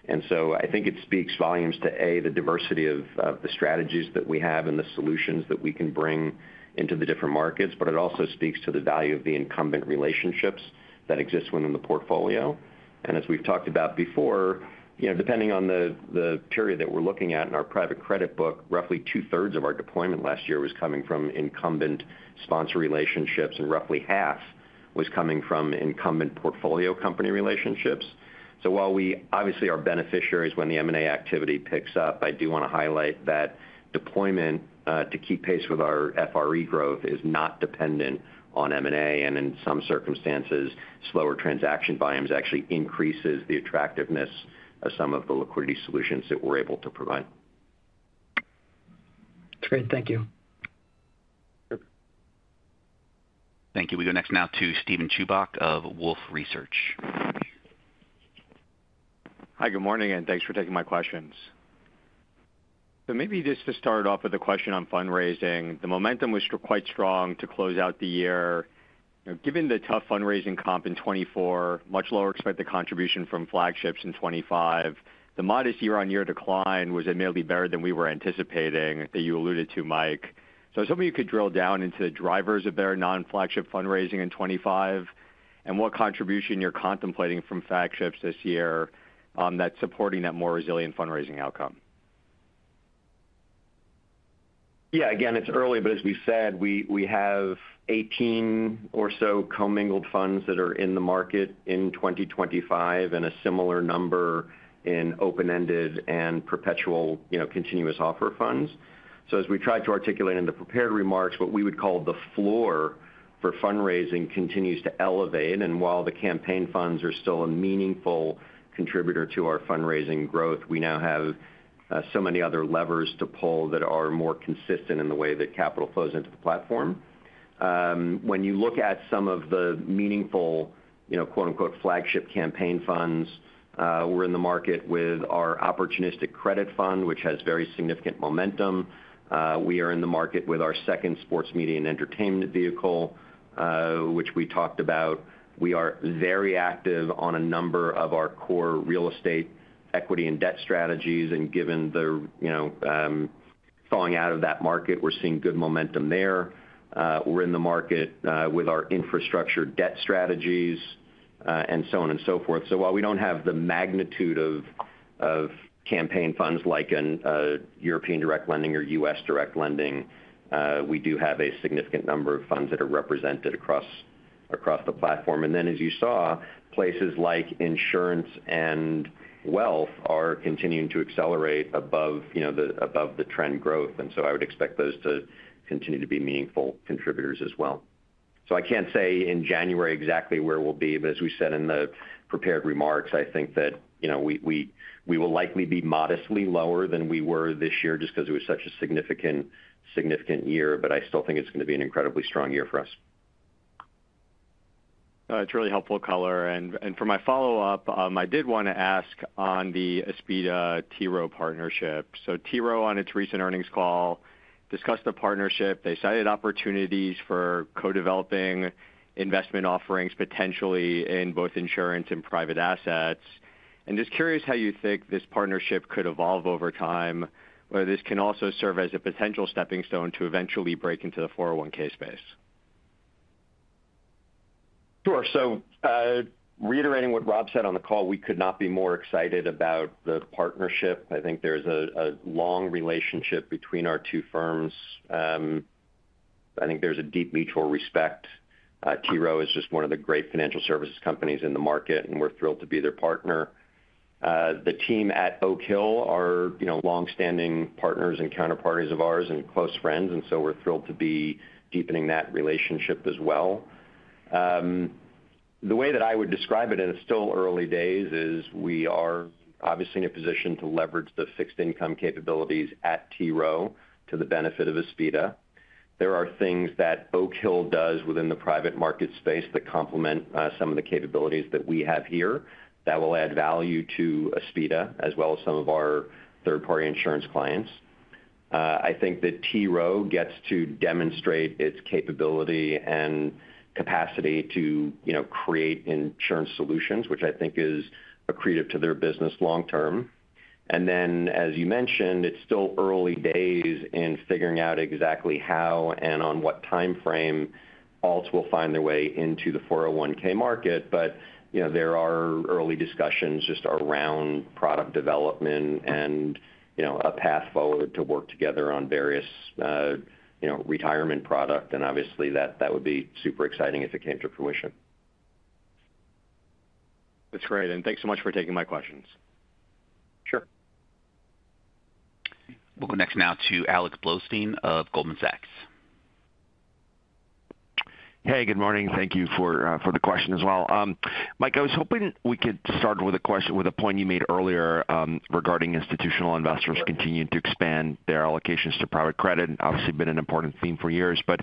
And so I think it speaks volumes to A, the diversity of the strategies that we have and the solutions that we can bring into the different markets, but it also speaks to the value of the incumbent relationships that exist within the portfolio. And as we've talked about before, depending on the period that we're looking at in our private credit book, roughly two-thirds of our deployment last year was coming from incumbent sponsor relationships, and roughly half was coming from incumbent portfolio company relationships. So while we obviously are beneficiaries when the M&A activity picks up, I do want to highlight that deployment to keep pace with our FRE growth is not dependent on M&A. And in some circumstances, slower transaction volumes actually increase the attractiveness of some of the liquidity solutions that we're able to provide. That's great. Thank you. Thank you. We go next now to Steven Chubak of Wolfe Research. Hi, good morning, and thanks for taking my questions. So maybe just to start off with a question on fundraising, the momentum was quite strong to close out the year. Given the tough fundraising comp in 2024, much lower expected contribution from flagships in 2025, the modest year-on-year decline was admittedly better than we were anticipating, that you alluded to, Mike. So I was hoping you could drill down into the drivers of their non-flagship fundraising in 2025 and what contribution you're contemplating from flagships this year that's supporting that more resilient fundraising outcome. Yeah, again, it's early, but as we said, we have 18 or so commingled funds that are in the market in 2025 and a similar number in open-ended and perpetual continuous offer funds. So as we tried to articulate in the prepared remarks, what we would call the floor for fundraising continues to elevate. And while the campaign funds are still a meaningful contributor to our fundraising growth, we now have so many other levers to pull that are more consistent in the way that capital flows into the platform. When you look at some of the meaningful, quote-unquote, flagship campaign funds, we're in the market with our Opportunistic Credit Fund, which has very significant momentum. We are in the market with our second sports media and entertainment vehicle, which we talked about. We are very active on a number of our core real estate equity and debt strategies. And given the falling out of that market, we're seeing good momentum there. We're in the market with our infrastructure debt strategies and so on and so forth. So while we don't have the magnitude of capital funds like a European direct lending or US direct lending, we do have a significant number of funds that are represented across the platform. And then, as you saw, places like insurance and wealth are continuing to accelerate above the trend growth. And so I would expect those to continue to be meaningful contributors as well. So I can't say in January exactly where we'll be, but as we said in the prepared remarks, I think that we will likely be modestly lower than we were this year just because it was such a significant year. But I still think it's going to be an incredibly strong year for us. It's really helpful, color. And for my follow-up, I did want to ask on the Aspida-T. Rowe partnership. So T. Rowe, on its recent earnings call, discussed the partnership. They cited opportunities for co-developing investment offerings potentially in both insurance and private assets, and just curious how you think this partnership could evolve over time, where this can also serve as a potential stepping stone to eventually break into the 401(k) space. Sure. So reiterating what Rob said on the call, we could not be more excited about the partnership. I think there's a long relationship between our two firms. I think there's a deep mutual respect. T. Rowe Price is just one of the great financial services companies in the market, and we're thrilled to be their partner. The team at Oak Hill are long-standing partners and counterparties of ours and close friends. And so we're thrilled to be deepening that relationship as well. The way that I would describe it, and it's still early days, is we are obviously in a position to leverage the fixed income capabilities at T. Rowe Price to the benefit of Aspida. There are things that Oak Hill does within the private market space that complement some of the capabilities that we have here that will add value to Aspida as well as some of our third-party insurance clients. I think that T. Rowe Price gets to demonstrate its capability and capacity to create insurance solutions, which I think is accretive to their business long-term, and then, as you mentioned, it's still early days in figuring out exactly how and on what timeframe alts will find their way into the 401(k) market, but there are early discussions just around product development and a path forward to work together on various retirement products. And obviously, that would be super exciting if it came to fruition. That's great. And thanks so much for taking my questions. Sure. We'll go next now to Alex Blostein of Goldman Sachs. Hey, good morning. Thank you for the question as well. Mike, I was hoping we could start with a point you made earlier regarding institutional investors continuing to expand their allocations to private credit. Obviously, it's been an important theme for years. But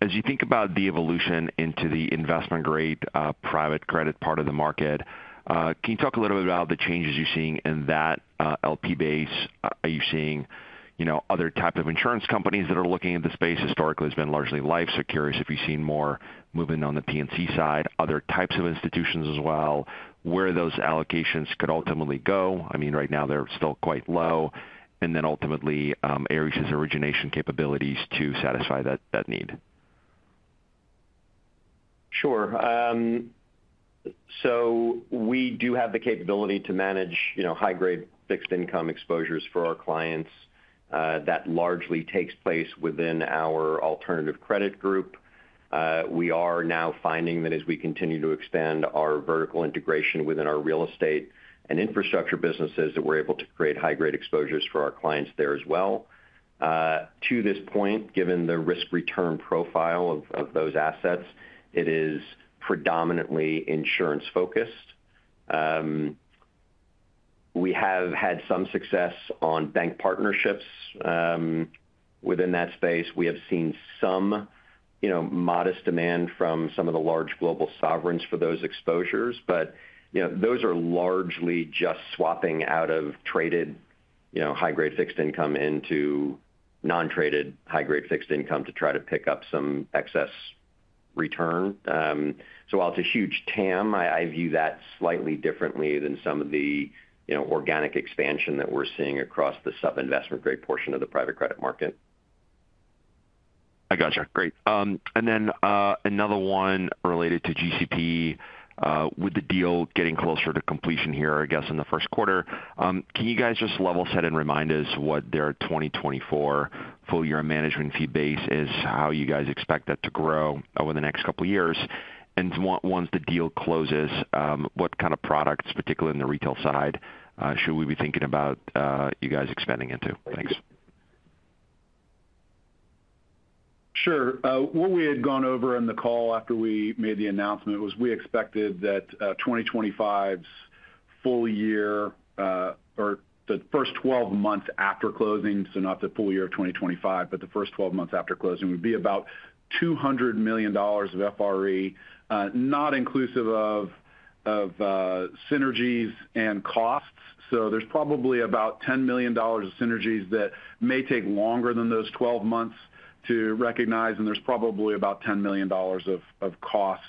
as you think about the evolution into the investment-grade private credit part of the market, can you talk a little bit about the changes you're seeing in that LP base? Are you seeing other types of insurance companies that are looking at the space? Historically, it's been largely life. So curious if you've seen more movement on the P&C side, other types of institutions as well, where those allocations could ultimately go. I mean, right now, they're still quite low, and then ultimately, Ares' origination capabilities to satisfy that need. Sure, so we do have the capability to manage high-grade fixed income exposures for our clients. That largely takes place within our Alternative Credit Group. We are now finding that as we continue to expand our vertical integration within our real estate and infrastructure businesses, that we're able to create high-grade exposures for our clients there as well. To this point, given the risk-return profile of those assets, it is predominantly insurance-focused. We have had some success on bank partnerships within that space. We have seen some modest demand from some of the large global sovereigns for those exposures, but those are largely just swapping out of traded high-grade fixed income into non-traded high-grade fixed income to try to pick up some excess return. So while it's a huge TAM, I view that slightly differently than some of the organic expansion that we're seeing across the sub-investment-grade portion of the private credit market. I gotcha. Great. And then another one related to GCP, with the deal getting closer to completion here, I guess, in the first quarter, can you guys just level set and remind us what their 2024 full-year management fee base is, how you guys expect that to grow over the next couple of years? And once the deal closes, what kind of products, particularly on the retail side, should we be thinking about you guys expanding into? Thanks. Sure. What we had gone over in the call after we made the announcement was we expected that 2025's full year or the first 12 months after closing, so not the full year of 2025, but the first 12 months after closing would be about $200 million of FRE, not inclusive of synergies and costs. So there's probably about $10 million of synergies that may take longer than those 12 months to recognize. And there's probably about $10 million of costs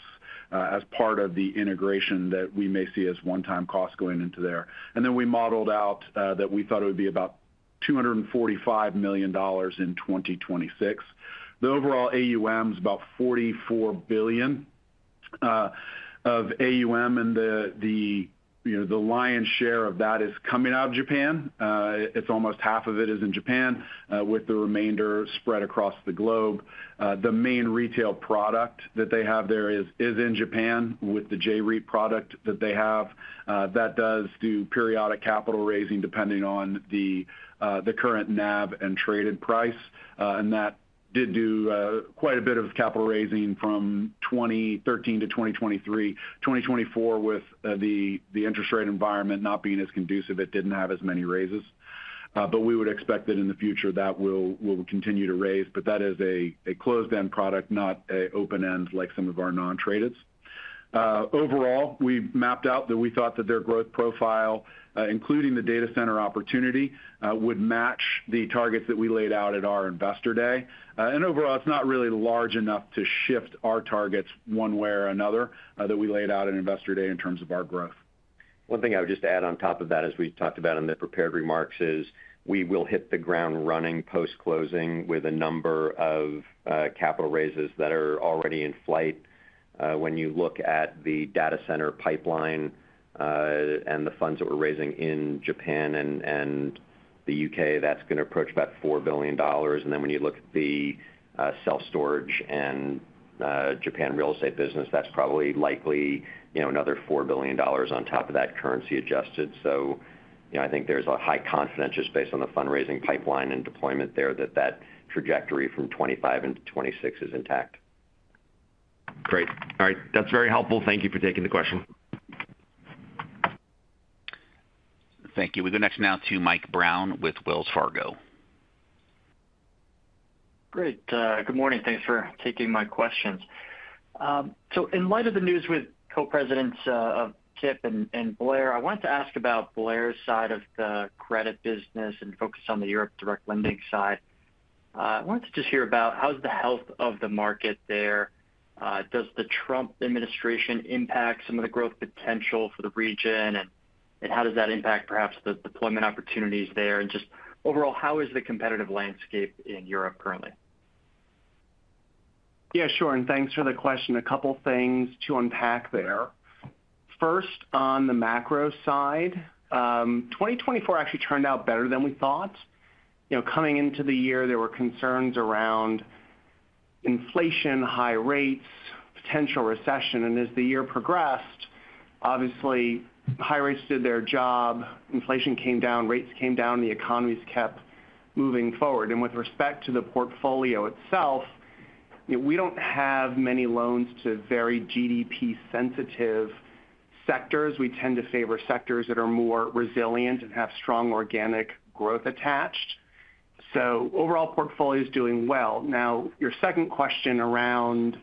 as part of the integration that we may see as one-time costs going into there. And then we modeled out that we thought it would be about $245 million in 2026. The overall AUM is about $44 billion of AUM. And the lion's share of that is coming out of Japan. It's almost half of it is in Japan, with the remainder spread across the globe. The main retail product that they have there is in Japan with the J-REIT product that they have. That does do periodic capital raising depending on the current NAV and traded price, and that did do quite a bit of capital raising from 2013 to 2023. 2024, with the interest rate environment not being as conducive, it didn't have as many raises, but we would expect that in the future, that will continue to raise. But that is a closed-end product, not an open-end like some of our non-tradeds. Overall, we mapped out that we thought that their growth profile, including the data center opportunity, would match the targets that we laid out at our investor day, and overall, it's not really large enough to shift our targets one way or another that we laid out at investor day in terms of our growth. One thing I would just add on top of that, as we talked about in the prepared remarks, is we will hit the ground running post-closing with a number of capital raises that are already in flight. When you look at the data center pipeline and the funds that we're raising in Japan and the U.K., that's going to approach about $4 billion. And then when you look at the self-storage and Japan real estate business, that's probably likely another $4 billion on top of that currency adjusted. So I think there's a high confidence just based on the fundraising pipeline and deployment there that that trajectory from 2025 into 2026 is intact. Great. All right. That's very helpful. Thank you for taking the question. Thank you. We go next now to Mike Brown with Wells Fargo. Great. Good morning. Thanks for taking my questions. So in light of the news with Co-Presidents of Kipp and Blair, I wanted to ask about Blair's side of the credit business and focus on the Europe direct lending side. I wanted to just hear about how's the health of the market there. Does the Trump administration impact some of the growth potential for the region? And how does that impact perhaps the deployment opportunities there? And just overall, how is the competitive landscape in Europe currently? Yeah, sure. And thanks for the question. A couple of things to unpack there. First, on the macro side, 2024 actually turned out better than we thought. Coming into the year, there were concerns around inflation, high rates, potential recession. And as the year progressed, obviously, high rates did their job. Inflation came down, rates came down, and the economy kept moving forward. With respect to the portfolio itself, we don't have many loans to very GDP-sensitive sectors. We tend to favor sectors that are more resilient and have strong organic growth attached. Overall, portfolio is doing well. Now, your second question around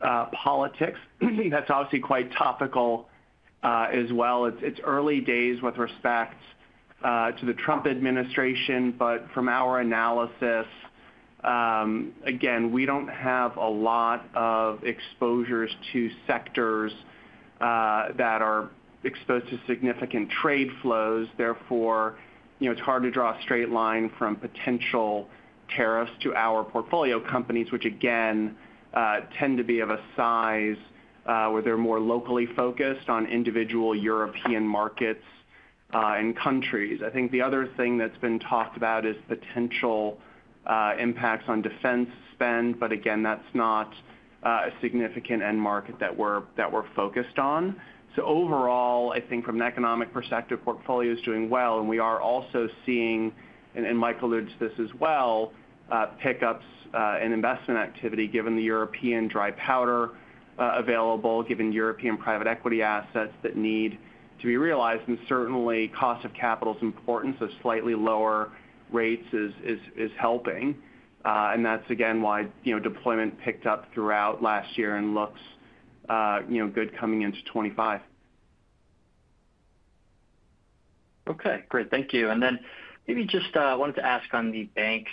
politics, that's obviously quite topical as well. It's early days with respect to the Trump administration. From our analysis, again, we don't have a lot of exposures to sectors that are exposed to significant trade flows. Therefore, it's hard to draw a straight line from potential tariffs to our portfolio companies, which, again, tend to be of a size where they're more locally focused on individual European markets and countries. I think the other thing that's been talked about is potential impacts on defense spend. Again, that's not a significant end market that we're focused on. So overall, I think from an economic perspective, portfolio is doing well. And we are also seeing, and Mike alludes to this as well, pickups in investment activity given the European dry powder available, given European private equity assets that need to be realized. And certainly, cost of capital's importance of slightly lower rates is helping. And that's, again, why deployment picked up throughout last year and looks good coming into 2025. Okay. Great. Thank you. And then maybe just wanted to ask on the banks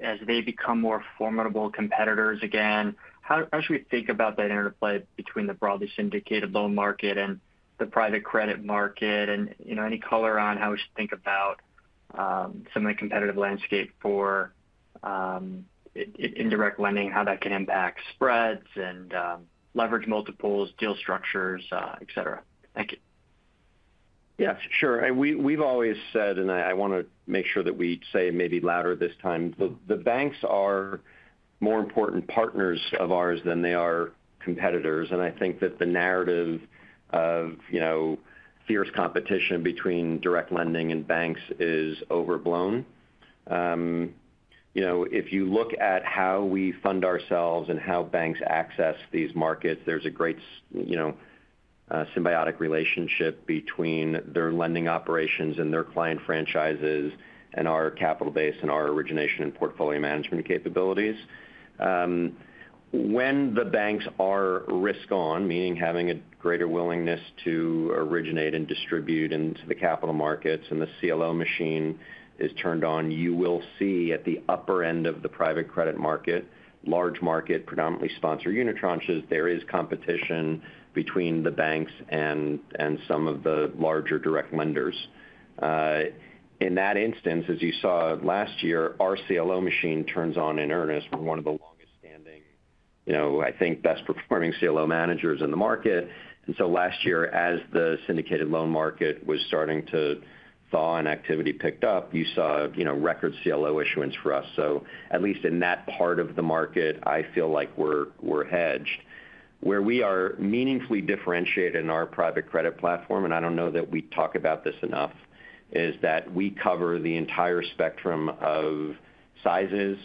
as they become more formidable competitors again, how should we think about that interplay between the broadly syndicated loan market and the private credit market? And any color on how we should think about some of the competitive landscape for direct lending, how that can impact spreads and leverage multiples, deal structures, etc.? Thank you. Yeah. Sure. We've always said, and I want to make sure that we say it maybe louder this time, the banks are more important partners of ours than they are competitors. And I think that the narrative of fierce competition between direct lending and banks is overblown. If you look at how we fund ourselves and how banks access these markets, there's a great symbiotic relationship between their lending operations and their client franchises and our capital base and our origination and portfolio management capabilities. When the banks are risk-on, meaning having a greater willingness to originate and distribute into the capital markets and the CLO machine is turned on, you will see at the upper end of the private credit market, large market, predominantly sponsored unitranche, there is competition between the banks and some of the larger direct lenders. In that instance, as you saw last year, our CLO machine turns on in earnest. We're one of the longest-standing, I think, best-performing CLO managers in the market. And so last year, as the syndicated loan market was starting to thaw and activity picked up, you saw record CLO issuance for us. So at least in that part of the market, I feel like we're hedged. Where we are meaningfully differentiated in our private credit platform, and I don't know that we talk about this enough, is that we cover the entire spectrum of sizes,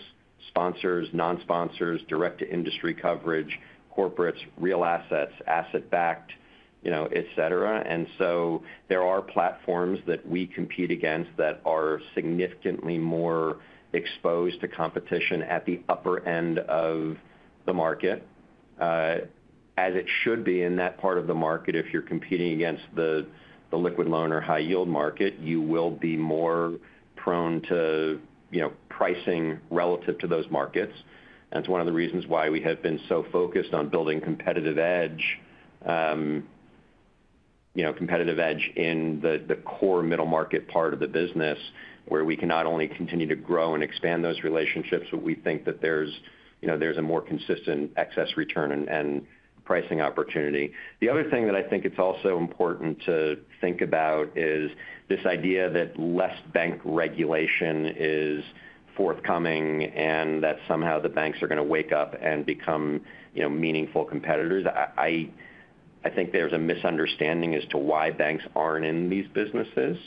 sponsors, non-sponsors, direct-to-industry coverage, corporates, real assets, asset-backed, etc. And so there are platforms that we compete against that are significantly more exposed to competition at the upper end of the market. As it should be in that part of the market, if you're competing against the liquid loan or high-yield market, you will be more prone to pricing relative to those markets. And it's one of the reasons why we have been so focused on building competitive edge, competitive edge in the core middle market part of the business, where we can not only continue to grow and expand those relationships, but we think that there's a more consistent excess return and pricing opportunity. The other thing that I think it's also important to think about is this idea that less bank regulation is forthcoming and that somehow the banks are going to wake up and become meaningful competitors. I think there's a misunderstanding as to why banks aren't in these businesses.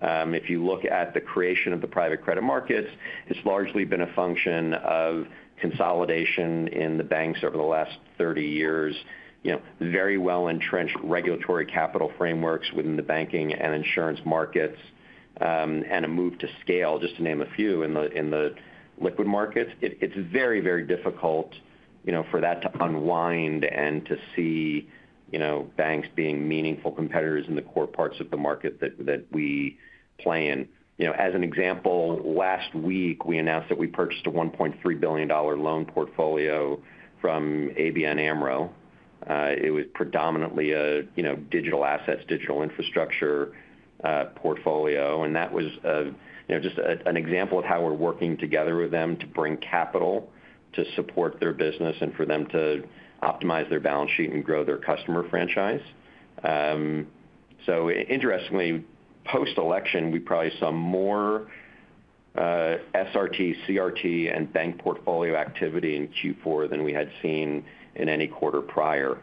If you look at the creation of the private credit markets, it's largely been a function of consolidation in the banks over the last 30 years, very well-entrenched regulatory capital frameworks within the banking and insurance markets, and a move to scale, just to name a few, in the liquid markets. It's very, very difficult for that to unwind and to see banks being meaningful competitors in the core parts of the market that we play in. As an example, last week, we announced that we purchased a $1.3 billion loan portfolio from ABN AMRO. It was predominantly a digital assets, digital infrastructure portfolio. And that was just an example of how we're working together with them to bring capital to support their business and for them to optimize their balance sheet and grow their customer franchise. So interestingly, post-election, we probably saw more SRT, CRT, and bank portfolio activity in Q4 than we had seen in any quarter prior.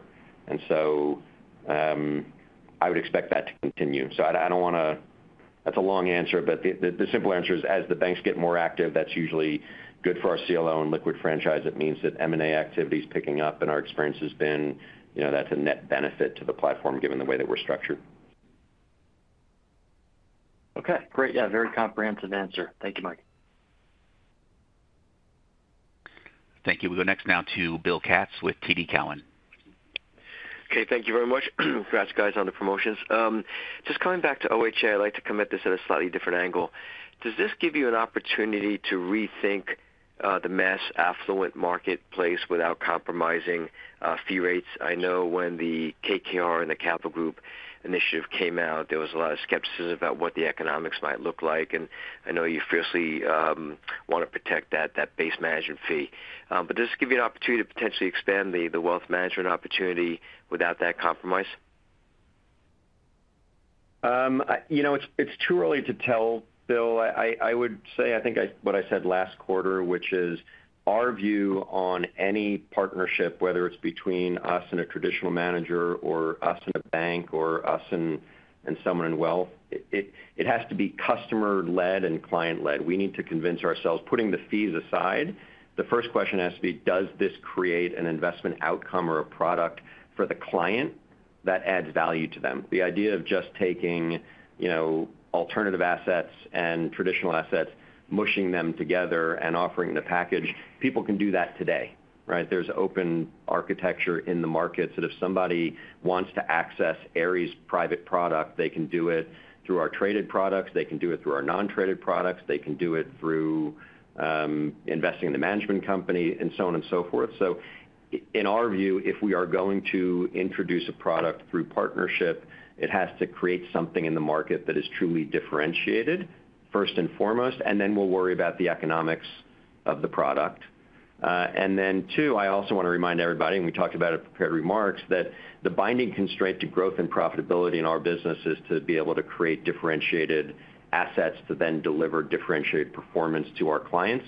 And so I would expect that to continue. So I don't want to. That's a long answer. But the simple answer is, as the banks get more active, that's usually good for our CLO and liquid franchise. It means that M&A activity is picking up. And our experience has been that's a net benefit to the platform given the way that we're structured. Okay. Great. Yeah. Very comprehensive answer. Thank you, Mike. Thank you. We go next now to Bill Katz with TD Cowen. Okay. Thank you very much. Congrats, guys, on the promotions. Just coming back to OHA, I'd like to come at this at a slightly different angle. Does this give you an opportunity to rethink the mass affluent marketplace without compromising fee rates? I know when the KKR and the Capital Group initiative came out, there was a lot of skepticism about what the economics might look like. And I know you fiercely want to protect that base management fee. But does this give you an opportunity to potentially expand the wealth management opportunity without that compromise? It's too early to tell, Bill. I would say I think what I said last quarter, which is our view on any partnership, whether it's between us and a traditional manager or us and a bank or us and someone in wealth, it has to be customer-led and client-led. We need to convince ourselves. Putting the fees aside, the first question has to be, does this create an investment outcome or a product for the client that adds value to them? The idea of just taking alternative assets and traditional assets, mushing them together and offering the package, people can do that today, right? There's open architecture in the markets that if somebody wants to access Ares private product, they can do it through our traded products. They can do it through our non-traded products. They can do it through investing in the management company and so on and so forth. So in our view, if we are going to introduce a product through partnership, it has to create something in the market that is truly differentiated, first and foremost, and then we'll worry about the economics of the product. Then two, I also want to remind everybody, and we talked about it in prepared remarks, that the binding constraint to growth and profitability in our business is to be able to create differentiated assets to then deliver differentiated performance to our clients.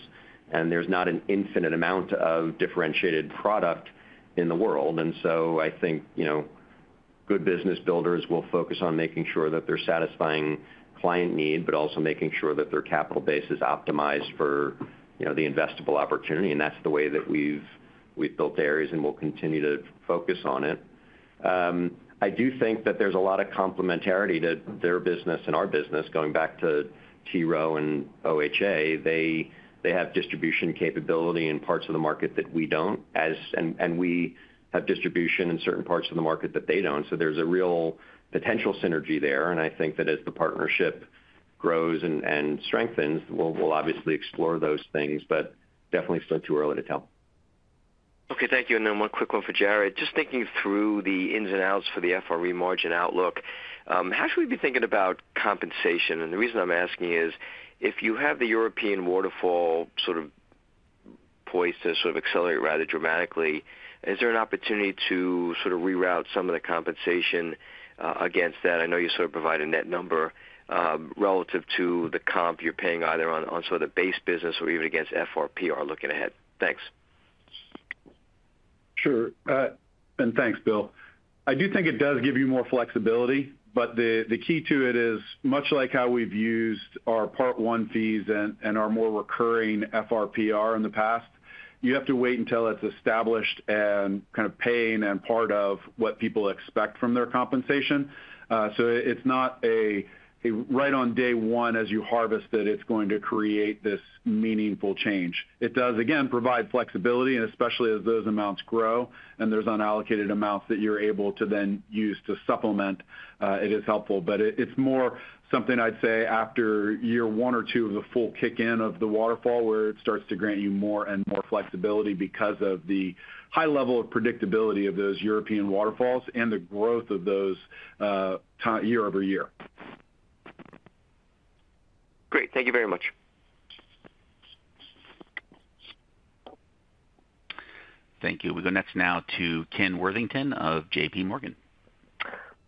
There's not an infinite amount of differentiated product in the world. So I think good business builders will focus on making sure that they're satisfying client need, but also making sure that their capital base is optimized for the investable opportunity. That's the way that we've built Ares, and we'll continue to focus on it. I do think that there's a lot of complementarity to their business and our business. Going back to T. Rowe and OHA, they have distribution capability in parts of the market that we don't. We have distribution in certain parts of the market that they don't. So there's a real potential synergy there. And I think that as the partnership grows and strengthens, we'll obviously explore those things, but definitely still too early to tell. Okay. Thank you. And then one quick one for Jarrod. Just thinking through the ins and outs for the FRE margin outlook, how should we be thinking about compensation? And the reason I'm asking is, if you have the European waterfall sort of poised to sort of accelerate rather dramatically, is there an opportunity to sort of reroute some of the compensation against that? I know you sort of provided a net number relative to the comp you're paying either on sort of the base business or even against FRPR looking ahead. Thanks. Sure. And thanks, Bill. I do think it does give you more flexibility. But the key to it is, much like how we've used our Part-One Fees and our more recurring FRPR in the past, you have to wait until it's established and kind of paying and part of what people expect from their compensation. So it's not a right on day one as you harvest that it's going to create this meaningful change. It does, again, provide flexibility. And especially as those amounts grow and there's unallocated amounts that you're able to then use to supplement, it is helpful. But it's more something I'd say after year one or two of the full kick-in of the waterfall where it starts to grant you more and more flexibility because of the high level of predictability of those European waterfalls and the growth of those year over year. Great. Thank you very much. Thank you. We go next now to Ken Worthington of J.P. Morgan.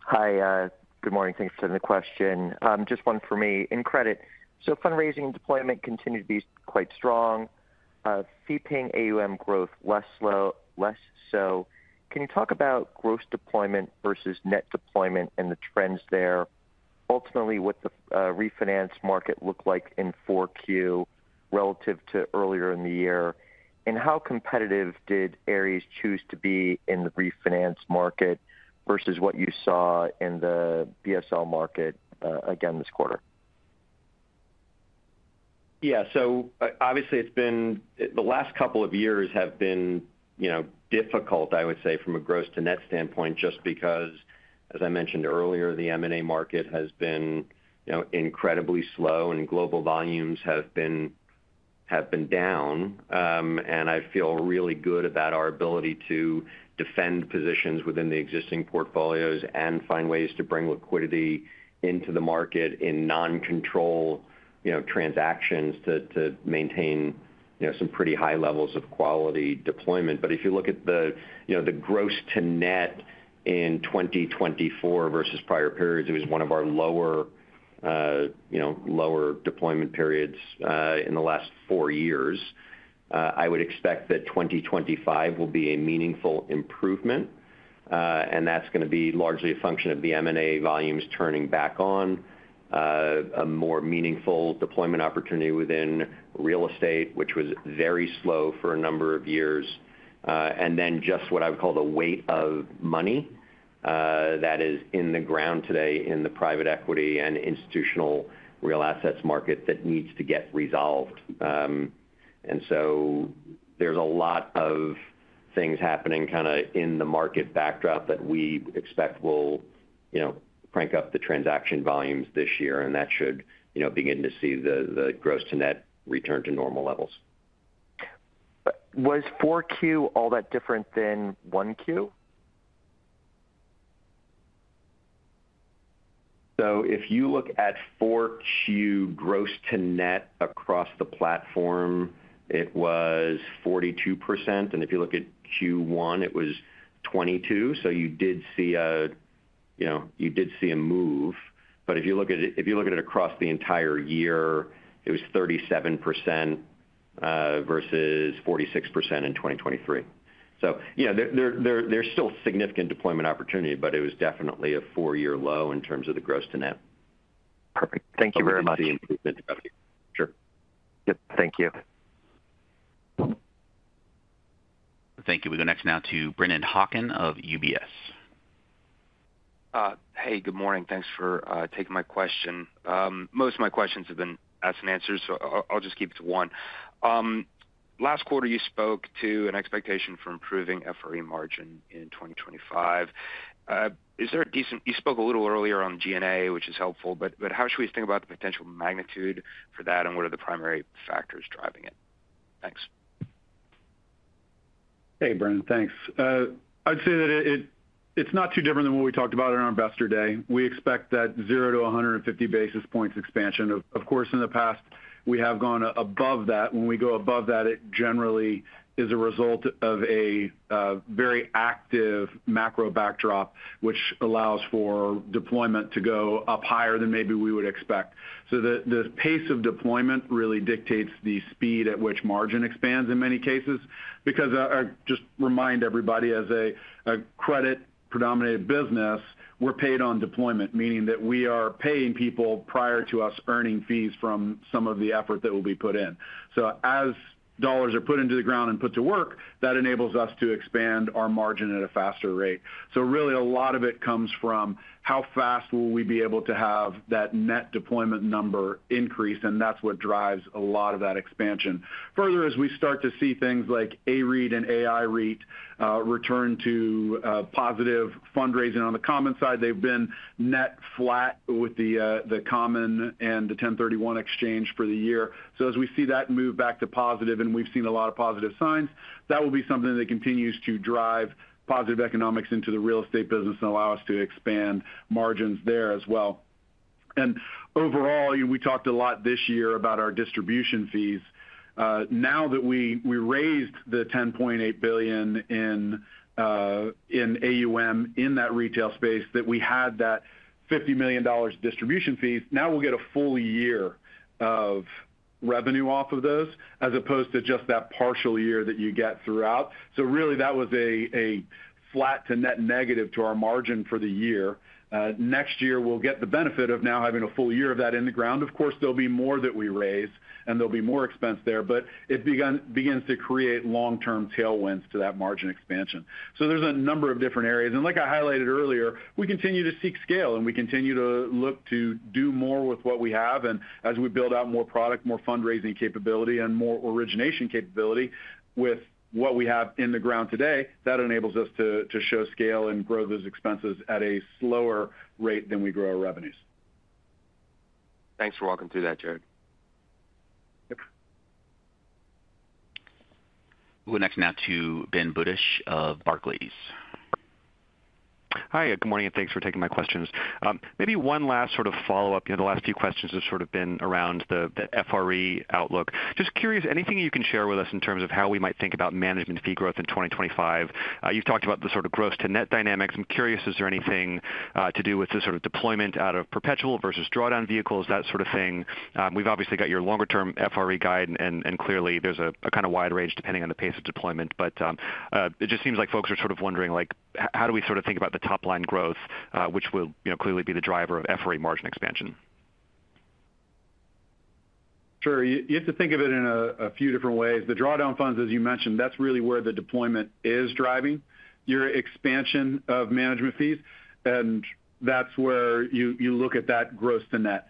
Hi. Good morning. Thanks for the question. Just one for me. In credit, so fundraising and deployment continue to be quite strong. Fee-paying AUM growth less so. Can you talk about gross deployment versus net deployment and the trends there? Ultimately, what does the refinance market look like in 4Q relative to earlier in the year? And how competitive did ARES choose to be in the refinance market versus what you saw in the BSL market again this quarter? Yeah. So obviously, it's been the last couple of years have been difficult, I would say, from a gross-to-net standpoint just because, as I mentioned earlier, the M&A market has been incredibly slow and global volumes have been down. I feel really good about our ability to defend positions within the existing portfolios and find ways to bring liquidity into the market in non-control transactions to maintain some pretty high levels of quality deployment, but if you look at the gross-to-net in 2024 versus prior periods, it was one of our lower deployment periods in the last four years. I would expect that 2025 will be a meaningful improvement, and that's going to be largely a function of the M&A volumes turning back on, a more meaningful deployment opportunity within real estate, which was very slow for a number of years, and then just what I would call the weight of money that is in the ground today in the private equity and institutional real assets market that needs to get resolved. And so there's a lot of things happening kind of in the market backdrop that we expect will crank up the transaction volumes this year. And that should begin to see the gross-to-net return to normal levels. Was 4Q all that different than 1Q? So if you look at 4Q gross-to-net across the platform, it was 42%. And if you look at Q1, it was 22%. So you did see a move. But if you look at it across the entire year, it was 37% versus 46% in 2023. So there's still significant deployment opportunity, but it was definitely a four-year low in terms of the gross-to-net. Perfect. Thank you very much. I would see improvement. Sure. Yep. Thank you. Thank you. We go next now to Brennan Hawken of UBS. Hey, good morning. Thanks for taking my question. Most of my questions have been asked and answered, so I'll just keep it to one. Last quarter, you spoke to an expectation for improving FRE margin in 2025. You spoke a little earlier on G&A, which is helpful. But how should we think about the potential magnitude for that, and what are the primary factors driving it? Thanks. Hey, Brendan. Thanks. I'd say that it's not too different than what we talked about on our investor day. We expect that 0-150 basis points expansion. Of course, in the past, we have gone above that. When we go above that, it generally is a result of a very active macro backdrop, which allows for deployment to go up higher than maybe we would expect. So the pace of deployment really dictates the speed at which margin expands in many cases. Because I just remind everybody, as a credit-predominant business, we're paid on deployment, meaning that we are paying people prior to us earning fees from some of the effort that will be put in. So as dollars are put into the ground and put to work, that enables us to expand our margin at a faster rate. So really, a lot of it comes from how fast will we be able to have that net deployment number increase? And that's what drives a lot of that expansion. Further, as we start to see things like AREIT and AIREIT return to positive fundraising on the common side, they've been net flat with the common and the 1031 exchange for the year. As we see that move back to positive, and we've seen a lot of positive signs, that will be something that continues to drive positive economics into the real estate business and allow us to expand margins there as well. And overall, we talked a lot this year about our distribution fees. Now that we raised the $10.8 billion in AUM in that retail space, that we had that $50 million distribution fees, now we'll get a full year of revenue off of those as opposed to just that partial year that you get throughout. So really, that was a flat to net negative to our margin for the year. Next year, we'll get the benefit of now having a full year of that in the ground. Of course, there'll be more that we raise, and there'll be more expense there. But it begins to create long-term tailwinds to that margin expansion. So there's a number of different areas. And like I highlighted earlier, we continue to seek scale, and we continue to look to do more with what we have. And as we build out more product, more fundraising capability, and more origination capability with what we have in the ground today, that enables us to show scale and grow those expenses at a slower rate than we grow our revenues. Thanks for walking through that, Jarrod. Yep. We go next now to Ben Budish of Barclays. Hi. Good morning. And thanks for taking my questions. Maybe one last sort of follow-up. The last few questions have sort of been around the FRE outlook. Just curious, anything you can share with us in terms of how we might think about management fee growth in 2025? You've talked about the sort of gross-to-net dynamics. I'm curious, is there anything to do with the sort of deployment out of perpetual versus drawdown vehicles, that sort of thing? We've obviously got your longer-term FRE guide, and clearly, there's a kind of wide range depending on the pace of deployment. But it just seems like folks are sort of wondering, how do we sort of think about the top-line growth, which will clearly be the driver of FRE margin expansion? Sure. You have to think of it in a few different ways. The drawdown funds, as you mentioned, that's really where the deployment is driving your expansion of management fees. And that's where you look at that gross-to-net.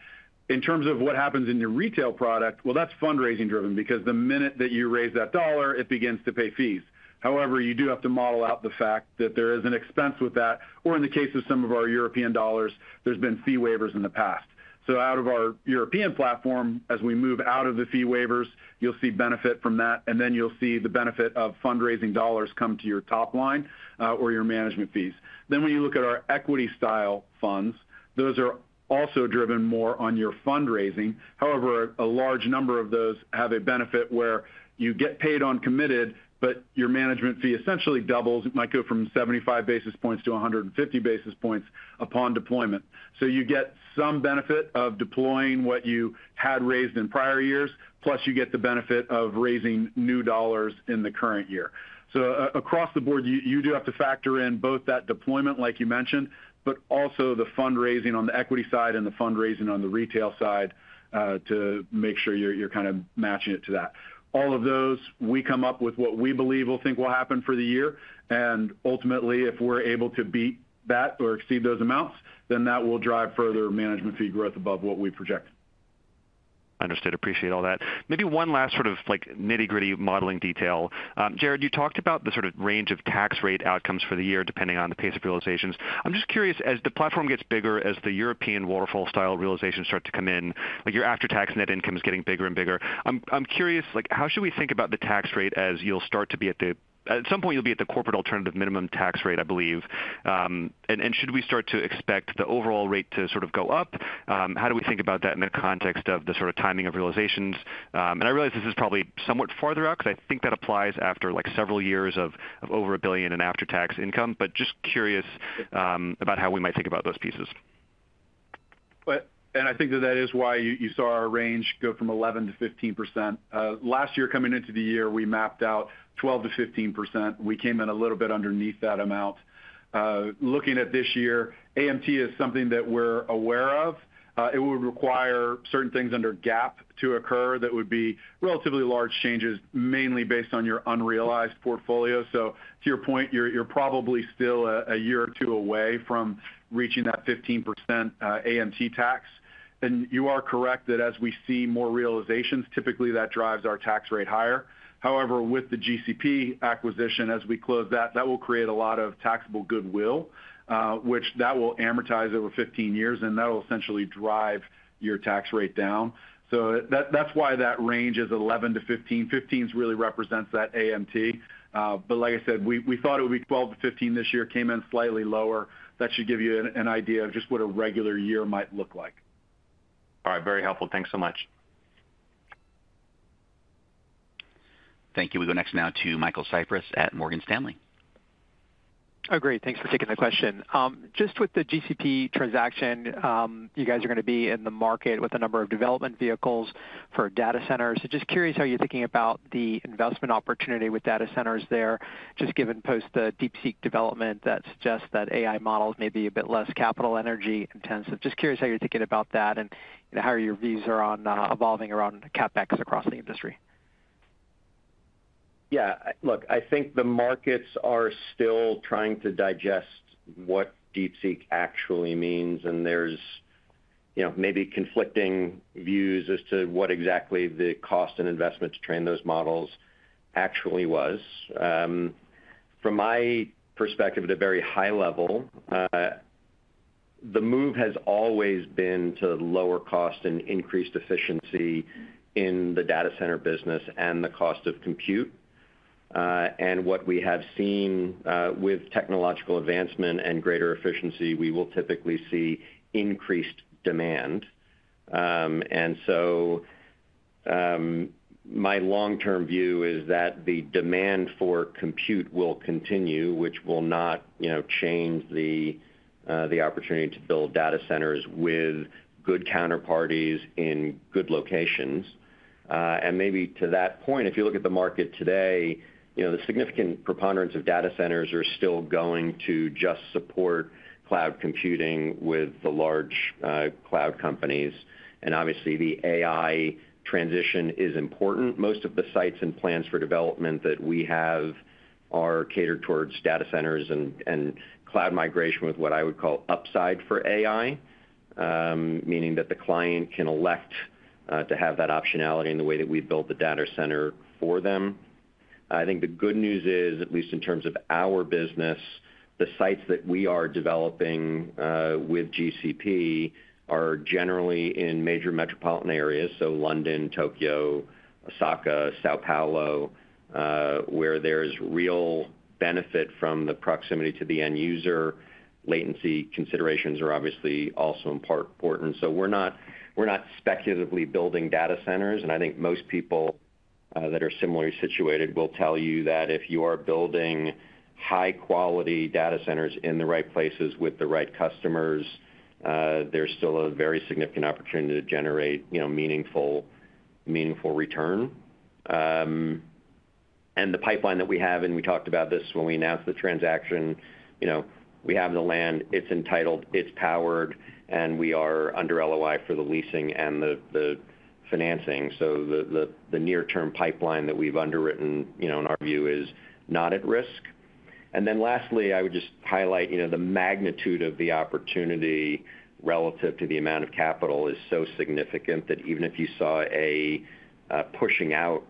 In terms of what happens in your retail product, well, that's fundraising-driven because the minute that you raise that dollar, it begins to pay fees. However, you do have to model out the fact that there is an expense with that. Or in the case of some of our European dollars, there's been fee waivers in the past. So out of our European platform, as we move out of the fee waivers, you'll see benefit from that. And then you'll see the benefit of fundraising dollars come to your top line or your management fees. Then when you look at our equity-style funds, those are also driven more on your fundraising. However, a large number of those have a benefit where you get paid uncommitted, but your management fee essentially doubles. It might go from 75 basis points to 150 basis points upon deployment. So you get some benefit of deploying what you had raised in prior years, plus you get the benefit of raising new dollars in the current year. So across the board, you do have to factor in both that deployment, like you mentioned, but also the fundraising on the equity side and the fundraising on the retail side to make sure you're kind of matching it to that. All of those, we come up with what we believe we'll think will happen for the year. And ultimately, if we're able to beat that or exceed those amounts, then that will drive further management fee growth above what we project. Understood. Appreciate all that. Maybe one last sort of nitty-gritty modeling detail. Jarrod, you talked about the sort of range of tax rate outcomes for the year depending on the pace of realizations. I'm just curious, as the platform gets bigger, as the European waterfall-style realizations start to come in, your after-tax net income is getting bigger and bigger. I'm curious, how should we think about the tax rate as you'll start to be at some point, you'll be at the corporate alternative minimum tax rate, I believe. And should we start to expect the overall rate to sort of go up? How do we think about that in the context of the sort of timing of realizations? And I realize this is probably somewhat farther out because I think that applies after several years of over a billion in after-tax income. But just curious about how we might think about those pieces. And I think that is why you saw our range go from 11%-15%. Last year, coming into the year, we mapped out 12%-15%. We came in a little bit underneath that amount. Looking at this year, AMT is something that we're aware of. It would require certain things under GAAP to occur that would be relatively large changes, mainly based on your unrealized portfolio. So to your point, you're probably still a year or two away from reaching that 15% AMT tax. And you are correct that as we see more realizations, typically that drives our tax rate higher. However, with the GCP acquisition, as we close that, that will create a lot of taxable goodwill, which that will amortize over 15 years, and that will essentially drive your tax rate down. So that's why that range is 11%-15%. 15% really represents that AMT. But like I said, we thought it would be 12%-15% this year, came in slightly lower. That should give you an idea of just what a regular year might look like. All right. Very helpful. Thanks so much. Thank you. We go next now to Michael Cyprys at Morgan Stanley. Oh, great. Thanks for taking the question. Just with the GCP transaction, you guys are going to be in the market with a number of development vehicles for data centers. So just curious how you're thinking about the investment opportunity with data centers there, just given post the DeepSeek development that suggests that AI models may be a bit less capital-intensive. Just curious how you're thinking about that and how your views are evolving around CapEx across the industry. Yeah. Look, I think the markets are still trying to digest what DeepSeek actually means. And there's maybe conflicting views as to what exactly the cost and investment to train those models actually was. From my perspective, at a very high level, the move has always been to lower cost and increased efficiency in the data center business and the cost of compute, and what we have seen with technological advancement and greater efficiency, we will typically see increased demand, and so my long-term view is that the demand for compute will continue, which will not change the opportunity to build data centers with good counterparties in good locations, and maybe to that point, if you look at the market today, the significant preponderance of data centers are still going to just support cloud computing with the large cloud companies, and obviously, the AI transition is important. Most of the sites and plans for development that we have are catered towards data centers and cloud migration with what I would call upside for AI, meaning that the client can elect to have that optionality in the way that we've built the data center for them. I think the good news is, at least in terms of our business, the sites that we are developing with GCP are generally in major metropolitan areas, so London, Tokyo, Osaka, São Paulo, where there is real benefit from the proximity to the end user. Latency considerations are obviously also important. So we're not speculatively building data centers. And I think most people that are similarly situated will tell you that if you are building high-quality data centers in the right places with the right customers, there's still a very significant opportunity to generate meaningful return. The pipeline that we have, and we talked about this when we announced the transaction, we have the land. It's entitled, it's powered, and we are under LOI for the leasing and the financing. The near-term pipeline that we've underwritten, in our view, is not at risk. Lastly, I would just highlight the magnitude of the opportunity relative to the amount of capital is so significant that even if you saw a pushing out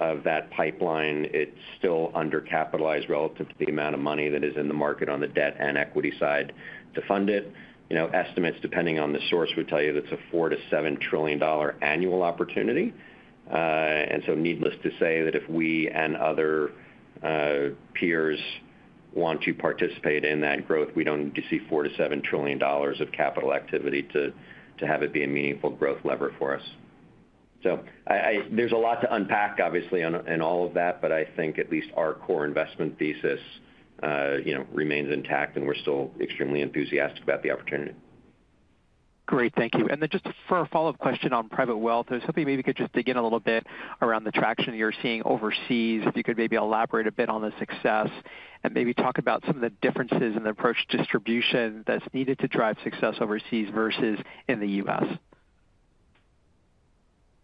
of that pipeline, it's still undercapitalized relative to the amount of money that is in the market on the debt and equity side to fund it. Estimates, depending on the source, would tell you that it's a $4-7 trillion annual opportunity. Needless to say that if we and other peers want to participate in that growth, we don't need to see $4-$7 trillion of capital activity to have it be a meaningful growth lever for us. There's a lot to unpack, obviously, in all of that, but I think at least our core investment thesis remains intact, and we're still extremely enthusiastic about the opportunity. Great. Thank you. Just for a follow-up question on private wealth, I was hoping maybe you could just dig in a little bit around the traction you're seeing overseas, if you could maybe elaborate a bit on the success and maybe talk about some of the differences in the approach distribution that's needed to drive success overseas versus in the U.S.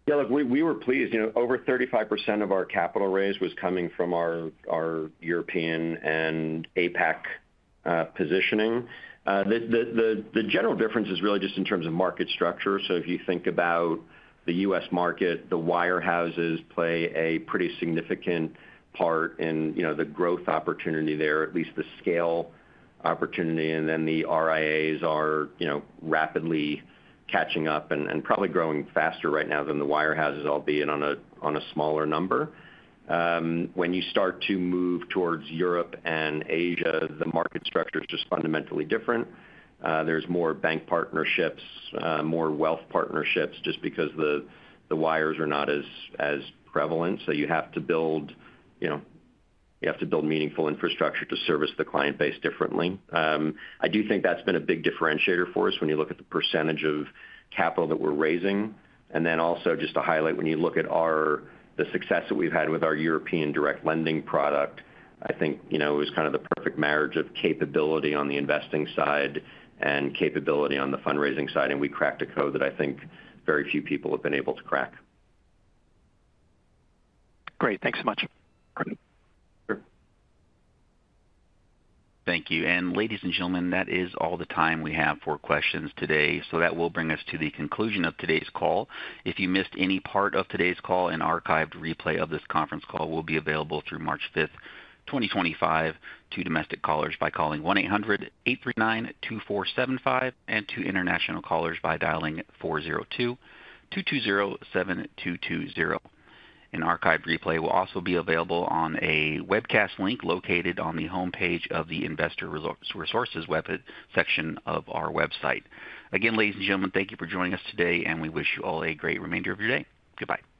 Yeah. Look, we were pleased. Over 35% of our capital raise was coming from our European and APAC positioning. The general difference is really just in terms of market structure. So if you think about the U.S. market, the wirehouses play a pretty significant part in the growth opportunity there, at least the scale opportunity. And then the RIAs are rapidly catching up and probably growing faster right now than the wirehouses, albeit on a smaller number. When you start to move towards Europe and Asia, the market structure is just fundamentally different. There's more bank partnerships, more wealth partnerships just because the wires are not as prevalent. So you have to build meaningful infrastructure to service the client base differently. I do think that's been a big differentiator for us when you look at the percentage of capital that we're raising. And then also just to highlight, when you look at the success that we've had with our European direct lending product, I think it was kind of the perfect marriage of capability on the investing side and capability on the fundraising side. And we cracked a code that I think very few people have been able to crack. Great. Thanks so much. Thank you. And ladies and gentlemen, that is all the time we have for questions today. So that will bring us to the conclusion of today's call. If you missed any part of today's call, an archived replay of this conference call will be available through March 5th, 2025, to domestic callers by calling 1-800-839-2475 and to international callers by dialing 402-220-7220. An archived replay will also be available on a webcast link located on the homepage of the Investor Relations web section of our website. Again, ladies and gentlemen, thank you for joining us today, and we wish you all a great remainder of your day. Goodbye.